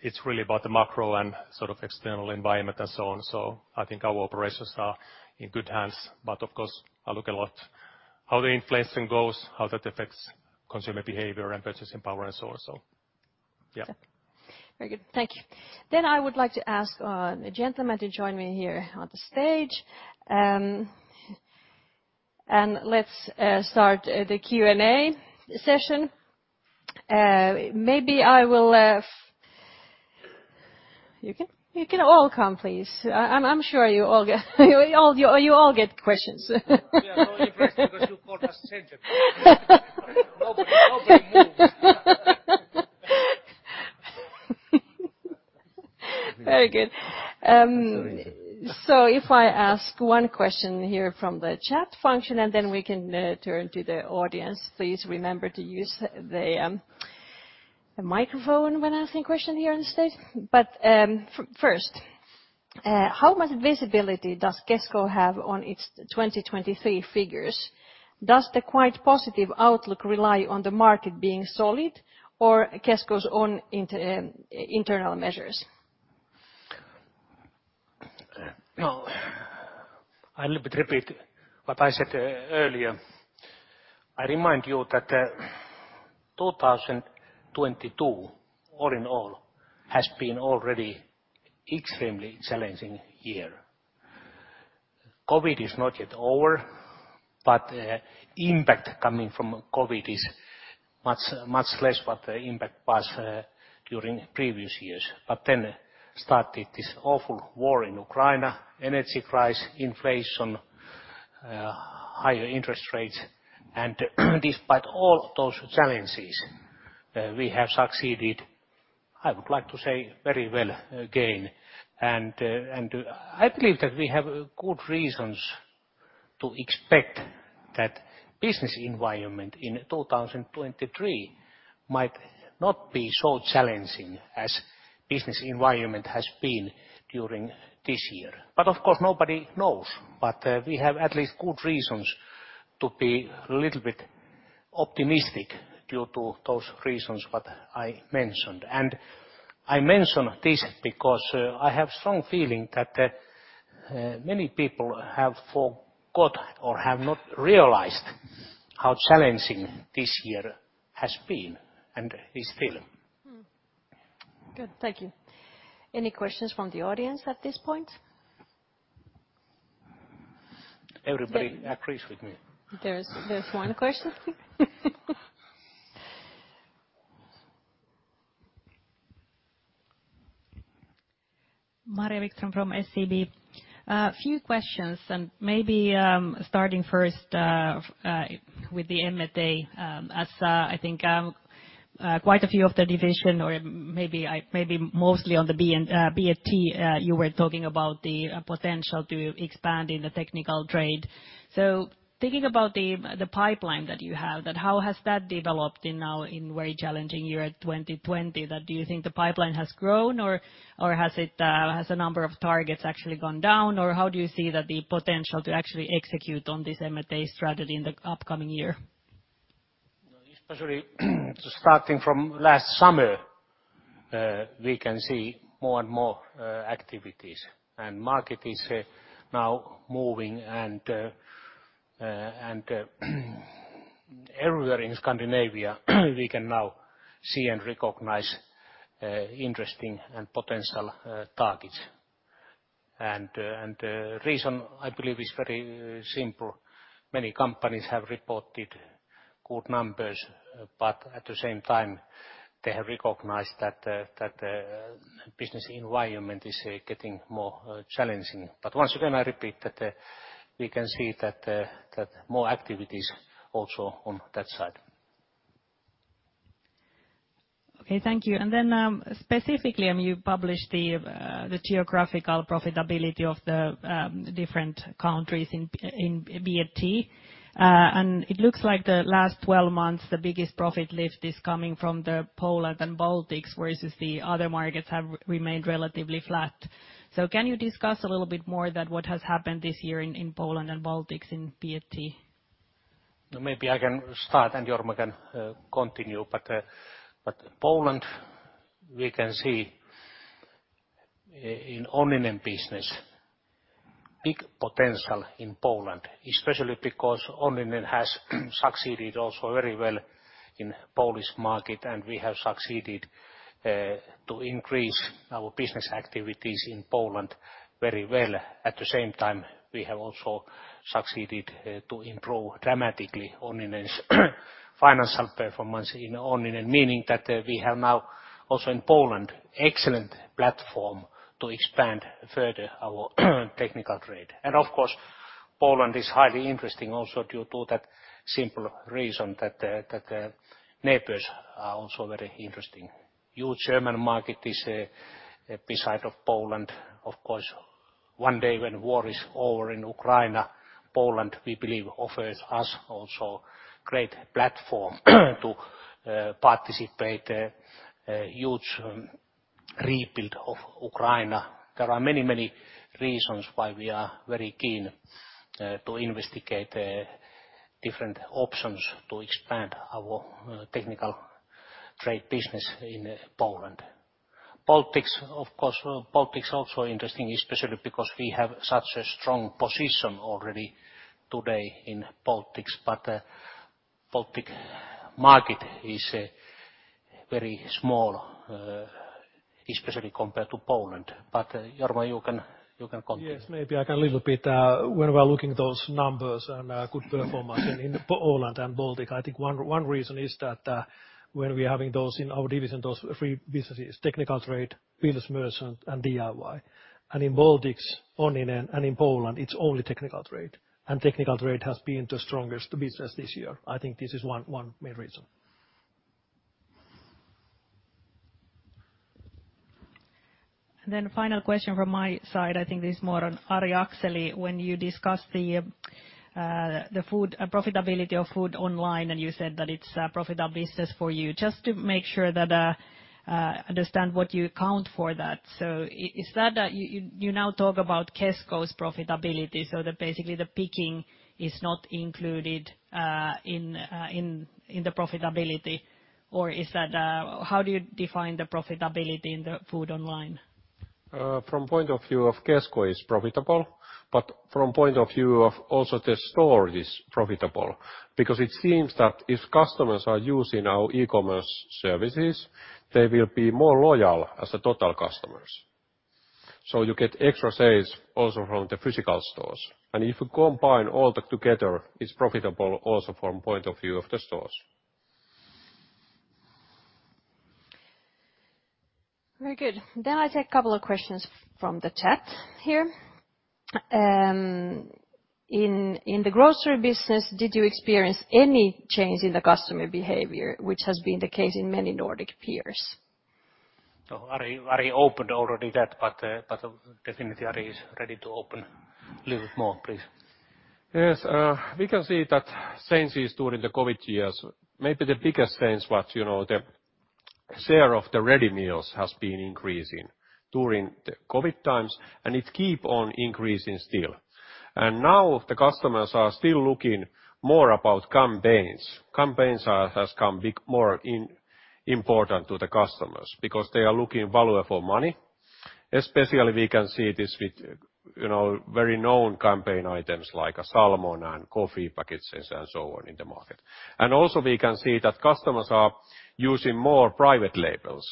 it's really about the macro and sort of external environment and so on. I think our operations are in good hands. Of course I look a lot how the inflation goes, how that affects consumer behavior and purchasing power and so on. Yeah. Very good. Thank you. I would like to ask the gentlemen to join me here on the stage. Let's start the Q&A session. You can all come, please. I'm sure you all get questions. We are only present because you called us gentlemen. Nobody moves. Very good. Sorry, If I ask one question here from the chat function, and then we can turn to the audience. Please remember to use the microphone when asking question here on stage. First, how much visibility does Kesko have on its 2023 figures? Does the quite positive outlook rely on the market being solid or Kesko's own internal measures? Well, I'll repeat what I said earlier. I remind you that 2022 all in all has been already extremely challenging year. COVID is not yet over, impact coming from COVID is much, much less what the impact was during previous years. Started this awful war in Ukraine, energy price, inflation, higher interest rates. Despite all those challenges, we have succeeded, I would like to say very well, again. I believe that we have good reasons to expect that business environment in 2023 might not be so challenging as business environment has been during this year. Of course, nobody knows. We have at least good reasons to be a little bit optimistic due to those reasons what I mentioned. I mention this because, I have strong feeling that, many people have forgot or have not realized how challenging this year has been and is still. Good. Thank you. Any questions from the audience at this point? Everybody agrees with me. There's one question. Maria Wikström from SEB. Maybe starting first with the M&A. As I think quite a few of the division or maybe mostly on the B&T, you were talking about the potential to expand in the technical trade. Thinking about the pipeline that you have, how has that developed in now in very challenging year 2020? Do you think the pipeline has grown or has the number of targets actually gone down? How do you see that the potential to actually execute on this M&A strategy in the upcoming year? No, especially starting from last summer, we can see more and more activities and market is now moving and everywhere in Scandinavia we can now see and recognize interesting and potential targets. Reason I believe is very simple. Many companies have reported good numbers, but at the same time, they have recognized that business environment is getting more challenging. Once again, I repeat that we can see that more activities also on that side. Okay, thank you. Then, specifically, I mean, you published the geographical profitability of the different countries in B&T. It looks like the last 12 months, the biggest profit lift is coming from the Poland and Baltics, whereas the other markets have remained relatively flat. Can you discuss a little bit more that what has happened this year in Poland and Baltics in B&T? Maybe I can start, and Jorma Rauhala can continue. Poland, we can see in Onninen business big potential in Poland, especially because Onninen has succeeded also very well in Polish market. We have succeeded to increase our business activities in Poland very well. At the same time, we have also succeeded to improve dramatically Onninen's financial performance in Onninen, meaning that we have now, also in Poland, excellent platform to expand further our technical trade. Of course, Poland is highly interesting also due to that simple reason that the, that neighbors are also very interesting. Huge German market is beside of Poland. Of course, one day, when war is over in Ukraine, Poland, we believe, offers us also great platform to participate a huge rebuild of Ukraine. There are many reasons why we are very keen to investigate different options to expand our technical trade business in Poland. Baltics, of course, Baltics also interesting, especially because we have such a strong position already today in Baltics. Baltic market is very small, especially compared to Poland. Jorma Rauhala, you can continue. Yes. Maybe I can a little bit, when we're looking those numbers and good performance in Poland and Baltics, I think one reason is that, when we are having those in our division, those three businesses: technical trade, builders merchant, and DIY. In Baltics, Onninen and in Poland, it's only technical trade, and technical trade has been the strongest business this year. I think this is one main reason. Final question from my side, I think this is more on Ari Akseli. When you discussed the profitability of food online, and you said that it's a profitable business for you. Just to make sure that I understand what you count for that. Is that you now talk about Kesko's profitability, so the, basically, the picking is not included in the profitability? How do you define the profitability in the food online? From point of view of Kesko is profitable. From point of view of also the store is profitable. It seems that if customers are using our e-commerce services, they will be more loyal as a total customers. You get extra sales also from the physical stores. If you combine all that together, it's profitable also from point of view of the stores. Very good. I take a couple of questions from the chat here. In the grocery business, did you experience any change in the customer behavior, which has been the case in many Nordic peers? Ari opened already that, but definitely Ari Akseli is ready to open a little bit more, please. Yes. We can see that changes during the COVID years. Maybe the biggest change what, you know, the share of the ready meals has been increasing during the COVID times, and it keep on increasing still. Now the customers are still looking more about campaigns. Campaigns has come more important to the customers because they are looking value for money. Especially we can see this with, you know, very known campaign items like a salmon and coffee packages and so on in the market. Also we can see that customers are using more private labels.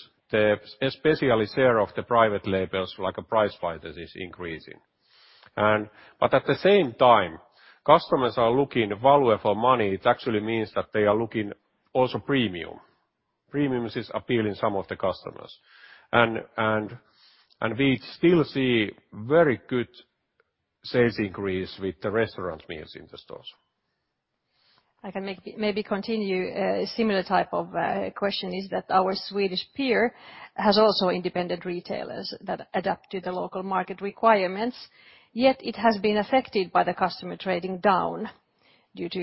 Especially share of the private labels, like a Price Fighters, is increasing. But at the same time, customers are looking value for money. It actually means that they are looking also premium. Premiums is appealing some of the customers. We still see very good sales increase with the restaurant meals in the stores. I can maybe continue. Similar type of question is that our Swedish peer has also independent retailers that adapt to the local market requirements, yet it has been affected by the customer trading down due to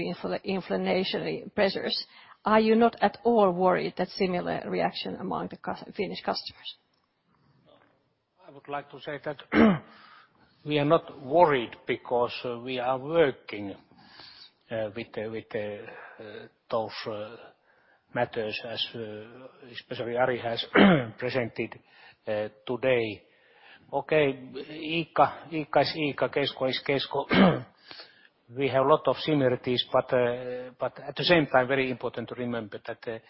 inflationary pressures. Are you not at all worried that similar reaction among the Finnish customers? No. I would like to say that we are not worried because we are working with those matters as especially Ari Akseli has presented today. Okay. ICA is ICA, Kesko is Kesko. We have a lot of similarities, at the same time, very important to remember that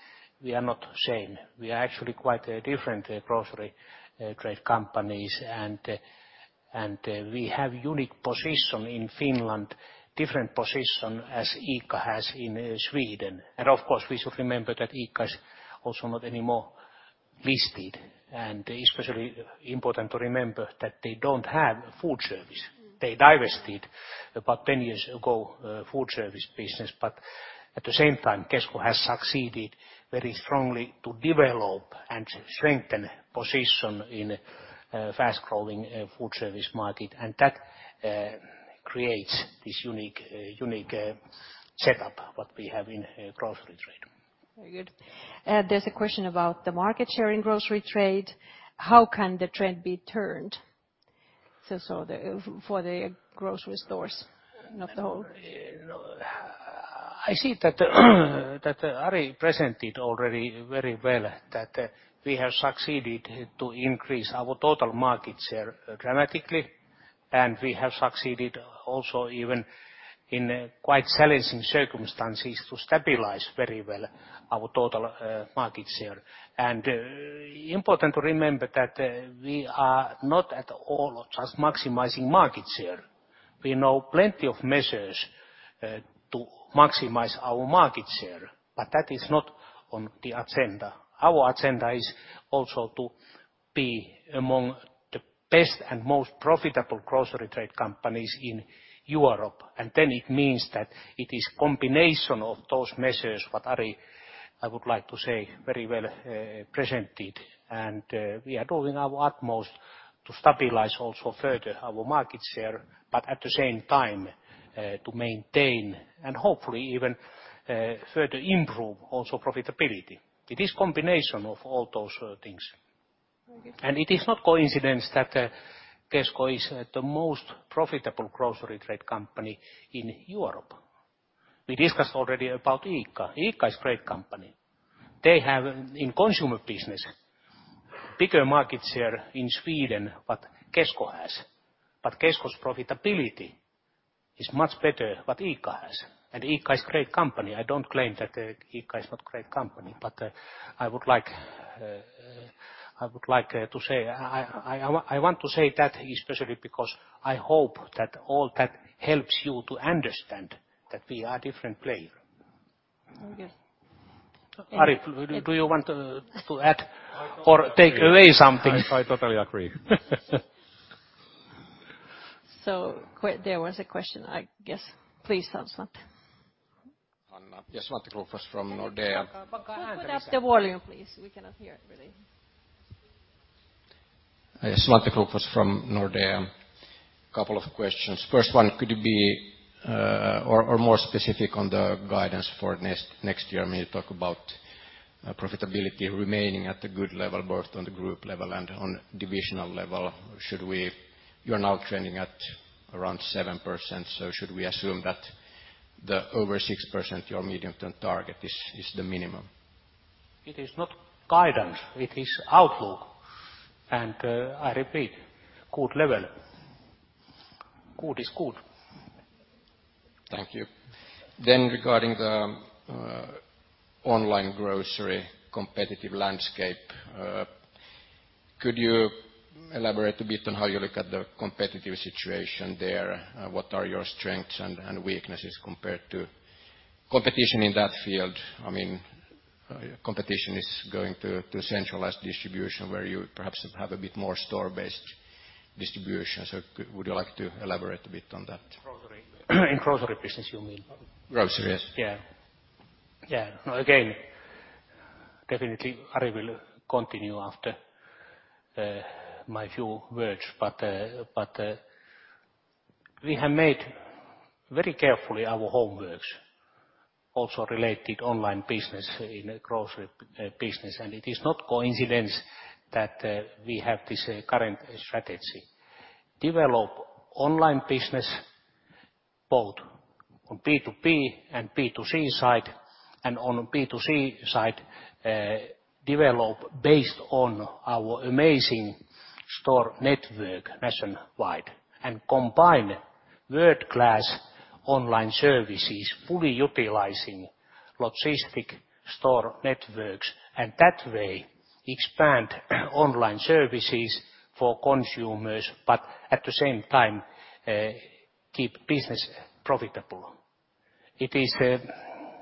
we are not same. We are actually quite different grocery trade companies and we have unique position in Finland, different position as ICA has in Sweden. Of course, we should remember that ICA is also not anymore listed, and especially important to remember that they don't have food service. They divested about 10 years ago, food service business. At the same time, Kesko has succeeded very strongly to develop and strengthen position in fast-growing food service market. That creates this unique setup what we have in grocery trade. Very good. There's a question about the market share in grocery trade. How can the trend be turned? For the grocery stores, not the whole. You know, I see that Ari Akseli presented already very well that we have succeeded to increase our total market share dramatically. We have succeeded also even in quite challenging circumstances to stabilize very well our total market share. Important to remember that we are not at all just maximizing market share. We know plenty of measures to maximize our market share, but that is not on the agenda. Our agenda is also to be among the best and most profitable grocery trade companies in Europe. It means that it is combination of those measures what Ari Akseli, I would like to say, very well presented. We are doing our utmost to stabilize also further our market share, but at the same time, to maintain and hopefully even further improve also profitability. It is combination of all those things. It is not coincidence that Kesko is the most profitable grocery trade company in Europe. We discussed already about ICA. ICA is great company. They have in consumer business bigger market share in Sweden what Kesko has. Kesko's profitability is much better what ICA has. ICA is great company. I don't claim that ICA is not great company, but I would like to say I want to say that especially because I hope that all that helps you to understand that we are different player. Okay. Ari, do you want to add or take away something? I totally agree. There was a question, I guess. Please, Svante Krokfors. Yes, Svante Krokfors from Nordea. Could you put up the volume, please? We cannot hear it really. Yes, Svante Krokfors from Nordea. Couple of questions. First one, could you be more specific on the guidance for next year when you talk about profitability remaining at a good level, both on the group level and on divisional level? You're now trending at around 7%, so should we assume that the over 6%, your medium-term target is the minimum? It is not guidance, it is outlook. I repeat, good level. Good is good. Thank you. Regarding the online grocery competitive landscape, could you elaborate a bit on how you look at the competitive situation there? What are your strengths and weaknesses compared to competition in that field? I mean, competition is going to centralized distribution where you perhaps have a bit more store-based distribution. Would you like to elaborate a bit on that? Grocery. In grocery business, you mean? Grocery, yes. Yeah. No, again, definitely Ari will continue after my few words, but we have made very carefully our homeworks also related online business in grocery business. It is not coincidence that we have this current strategy. Develop online business both on B2B and B2C side, and on B2C side, develop based on our amazing store network nationwide and combine world-class online services, fully utilizing logistic store networks, and that way expand online services for consumers, but at the same time, keep business profitable. It is.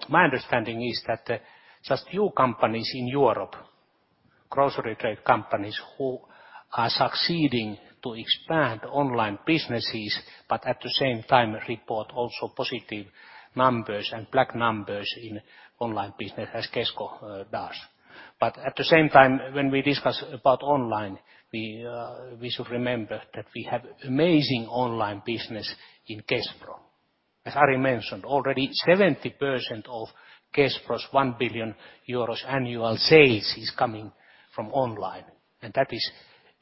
My understanding is that just few companies in Europe, grocery trade companies who are succeeding to expand online businesses, but at the same time report also positive numbers and black numbers in online business as Kesko does. At the same time, when we discuss about online, we should remember that we have amazing online business in Kespro. As Ari mentioned already, 70% of Kespro's 1 billion euros annual sales is coming from online, and that is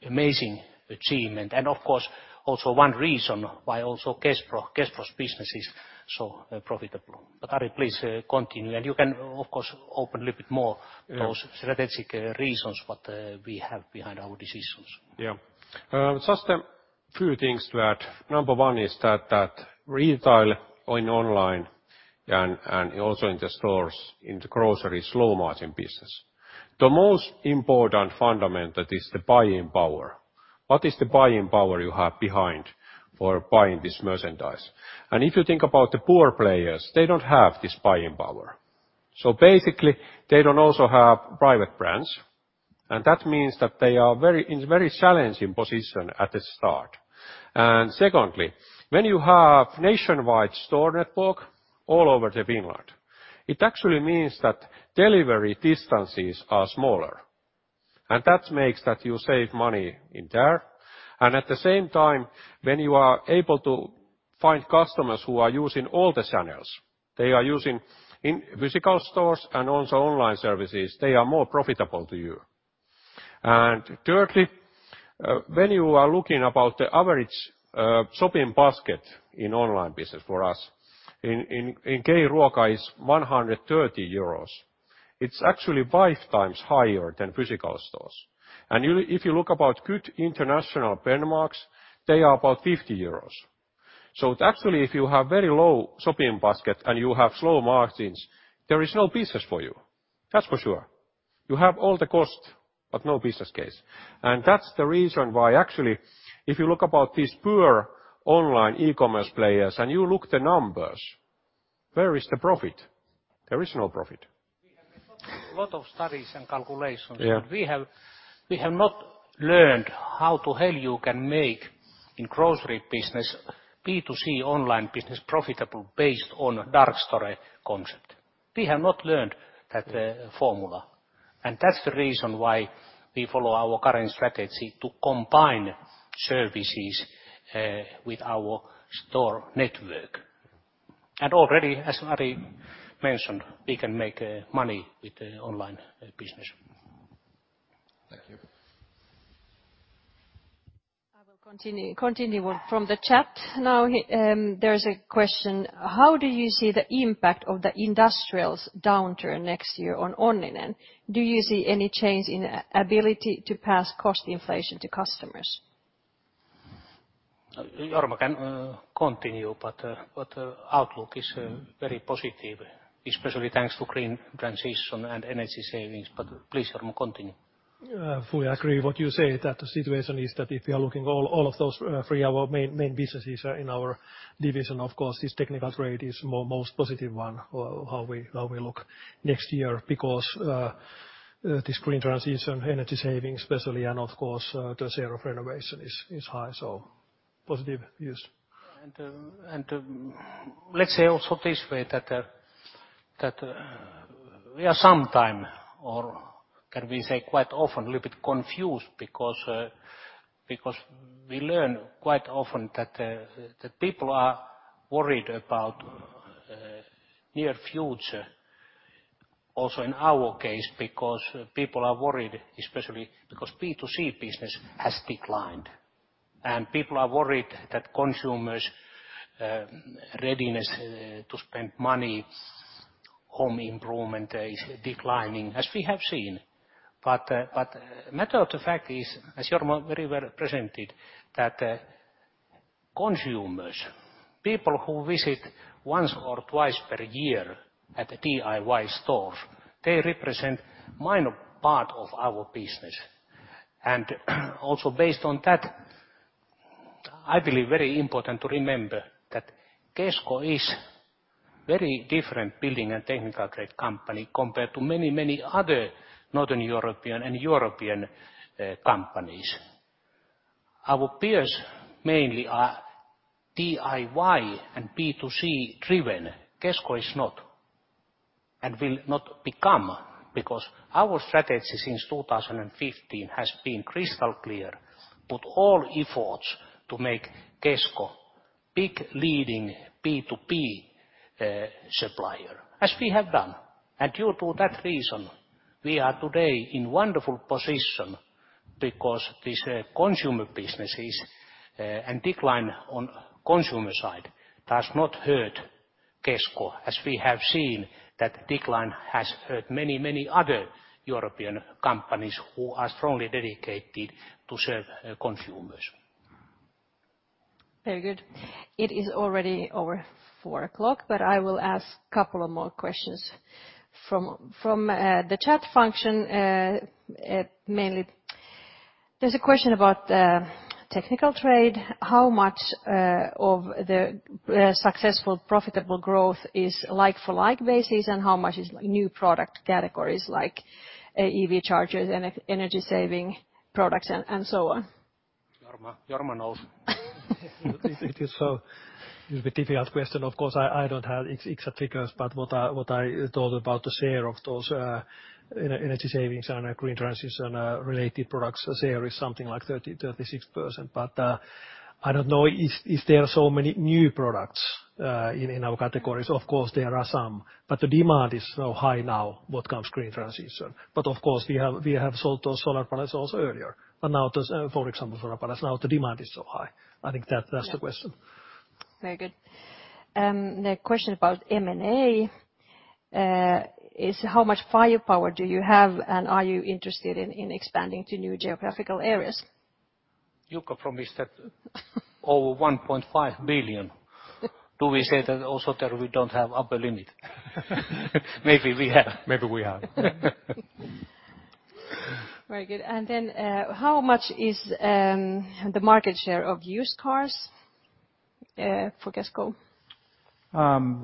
amazing achievement. Of course, also one reason why also Kespro's business is so profitable. Ari Akseli, please continue. You can, of course, open a little bit. Those strategic reasons what we have behind our decisions. Yeah. First few things to add. Number one is that retail or in online and also in the stores, in the grocery slow margin business, the most important fundament, that is the buying power. What is the buying power you have behind for buying this merchandise? If you think about the poor players, they don't have this buying power. Basically, they don't also have private brands, and that means that they are in a very challenging position at the start. Secondly, when you have nationwide store network all over Finland, it actually means that delivery distances are smaller, and that makes that you save money in there. At the same time, when you are able to find customers who are using all the channels, they are using in physical stores and also online services, they are more profitable to you. Thirdly, when you are looking about the average shopping basket in online business for us, in K-Ruoka is 130 euros. It's actually five times higher than physical stores. If you look about good international benchmarks, they are about 50 euros. Actually, if you have very low shopping basket and you have slow margins, there is no business for you. That's for sure. You have all the cost, but no business case. That's the reason why actually, if you look about these poor online e-commerce players and you look the numbers, where is the profit? There is no profit. We have a lot of studies and calculations. Yeah. We have not learned how to help you can make in grocery business, B2C online business profitable based on dark store concept. We have not learned that formula. That's the reason why we follow our current strategy to combine services with our store network. Already, as Ari Akseli mentioned, we can make money with the online business. Thank you. I will continue from the chat now. There's a question, how do you see the impact of the industrials downturn next year on Onninen? Do you see any change in ability to pass cost inflation to customers? Jorma Rauhala can continue, but outlook is very positive, especially thanks to green transition and energy savings. Please, Jorma, continue. Yeah. Fully agree what you say that the situation is that if you are looking all of those three, our main businesses in our division, of course this technical trade is most positive one how we look next year because this green transition, energy savings especially, and of course, the share of renovation is high. Positive views. Let's say also this way that we are sometime or can we say quite often a little bit confused because we learn quite often that people are worried about near future also in our case because people are worried, especially because B2C business has declined. People are worried that consumers readiness to spend money, home improvement is declining, as we have seen. Matter of the fact is, as Jorma very well presented, that consumers, people who visit once or twice per year at the DIY stores, they represent minor part of our business. Also based on that, I believe very important to remember that Kesko is very different building and technical trade company compared to many, many other Northern European and European companies. Our peers mainly are DIY and B2C driven. Kesko is not and will not become. Our strategy since 2015 has been crystal clear. Put all efforts to make Kesko big leading B2B supplier, as we have done. Due to that reason, we are today in wonderful position because this consumer businesses and decline on consumer side does not hurt Kesko, as we have seen that decline has hurt many, many other European companies who are strongly dedicated to serve consumers. Very good. It is already over 4 o'clock, but I will ask couple more questions from the chat function. Mainly there's a question about technical trade. How much of the successful profitable growth is like for like basis, and how much is new product categories like EV chargers and e-energy saving products and so on? Jorma knows. It will be difficult question. Of course, I don't have exact figures, but what I thought about the share of those energy savings and green transition related products share is something like 36%. I don't know is there so many new products in our categories. Of course, there are some, but the demand is so high now what comes green transition. Of course we have sold those solar panels also earlier. For example, solar panels, now the demand is so high. I think that's the question. Very good. The question about M&A is how much firepower do you have, and are you interested in expanding to new geographical areas? Jukka promised over 1.5 billion. Do we say that also that we don't have upper limit? Maybe we have. Maybe we have. Very good. How much is the market share of used cars for Kesko?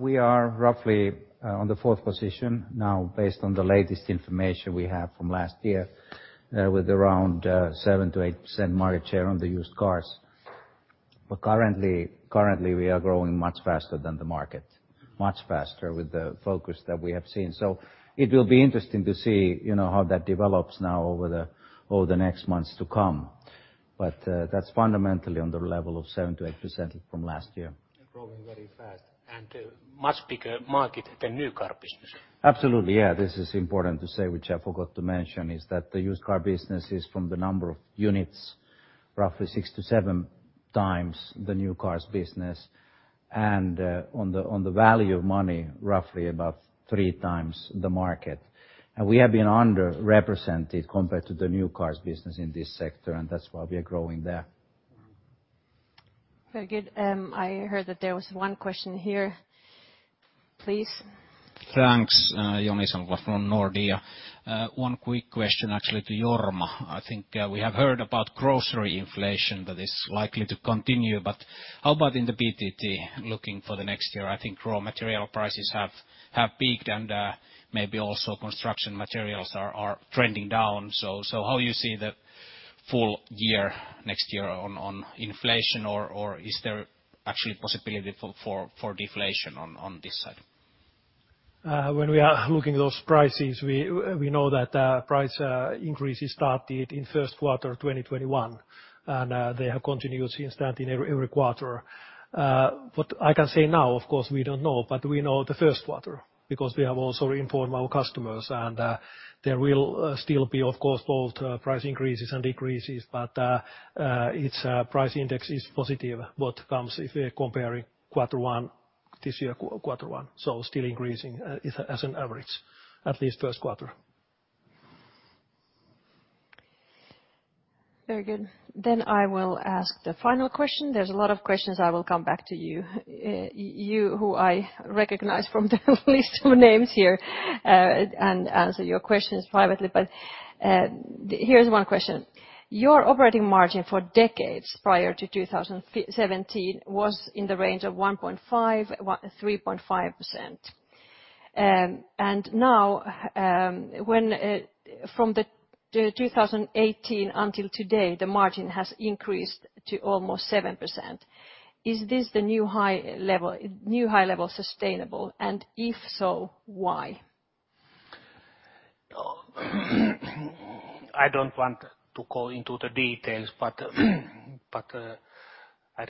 We are roughly on the fourth position now based on the latest information we have from last year, with around 7%-8% market share on the used cars. Currently we are growing much faster than the market. Much faster with the focus that we have seen. It will be interesting to see, you know, how that develops now over the next months to come. That's fundamentally on the level of 7%-8% from last year. Growing very fast. A much bigger market than new car business. Absolutely, yeah. This is important to say, which I forgot to mention, is that the used car business is from the number of units, roughly six to seven times the new cars business, and, on the, on the value of money, roughly about three times the market. We have been underrepresented compared to the new cars business in this sector, and that's why we are growing there. Very good. I heard that there was one question here. Please. Thanks. Joni Sandvall from Nordea. One quick question actually to Jorma Rauhala. I think we have heard about grocery inflation that is likely to continue, but how about in the BTT looking for the next year? I think raw material prices have peaked, and maybe also construction materials are trending down. How you see the full year next year on inflation or is there actually possibility for deflation on this side? When we are looking at those prices, we know that price increases started in first quarter of 2021, they have continued since that in every quarter. What I can say now, of course, we don't know, but we know the first quarter because we have also informed our customers and there will still be of course, both price increases and decreases, but its price index is positive what comes if we are comparing Q1, this year Q1. Still increasing as an average, at least first quarter. Very good. I will ask the final question. There's a lot of questions I will come back to you who I recognize from the list of names here and answer your questions privately. Here's one question. Your operating margin for decades prior to 2017 was in the range of 1.5%-3.5%. Now, when from 2018 until today, the margin has increased to almost 7%. Is this the new high level sustainable, and if so, why? I don't want to go into the details, but I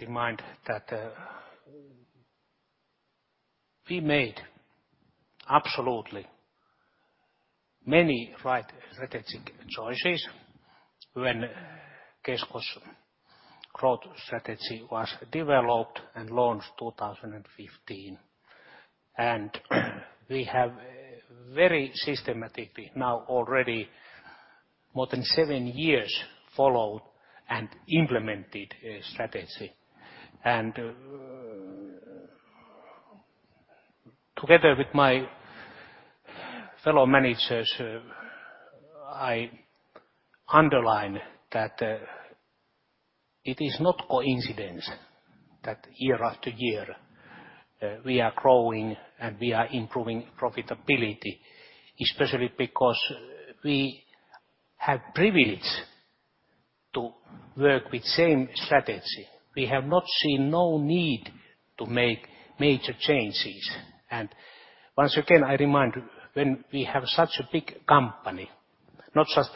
remind that we made absolutely many right strategic choices when Kesko's growth strategy was developed and launched 2015. We have very systematically now already more than seven years followed and implemented a strategy. Together with my fellow managers, I underline that it is not coincidence that year after year, we are growing and we are improving profitability, especially because we have privilege to work with same strategy. We have not seen no need to make major changes. Once again, I remind when we have such a big company, not just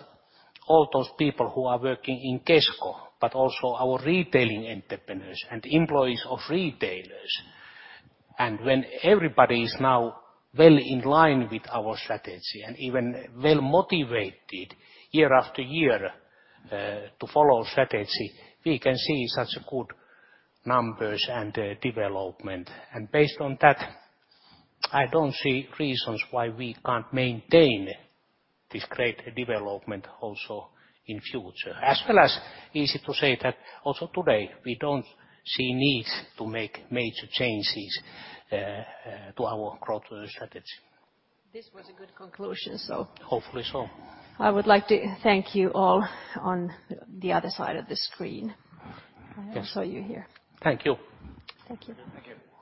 all those people who are working in Kesko, but also our retailing entrepreneurs and employees of retailers. When everybody is now well in line with our strategy and even well motivated year after year, to follow strategy, we can see such good numbers and development. Based on that, I don't see reasons why we can't maintain this great development also in future. As well as easy to say that also today, we don't see need to make major changes to our growth strategy. This was a good conclusion. Hopefully so. I would like to thank you all on the other side of the screen. Also you here. Thank you. Thank you. Thank you.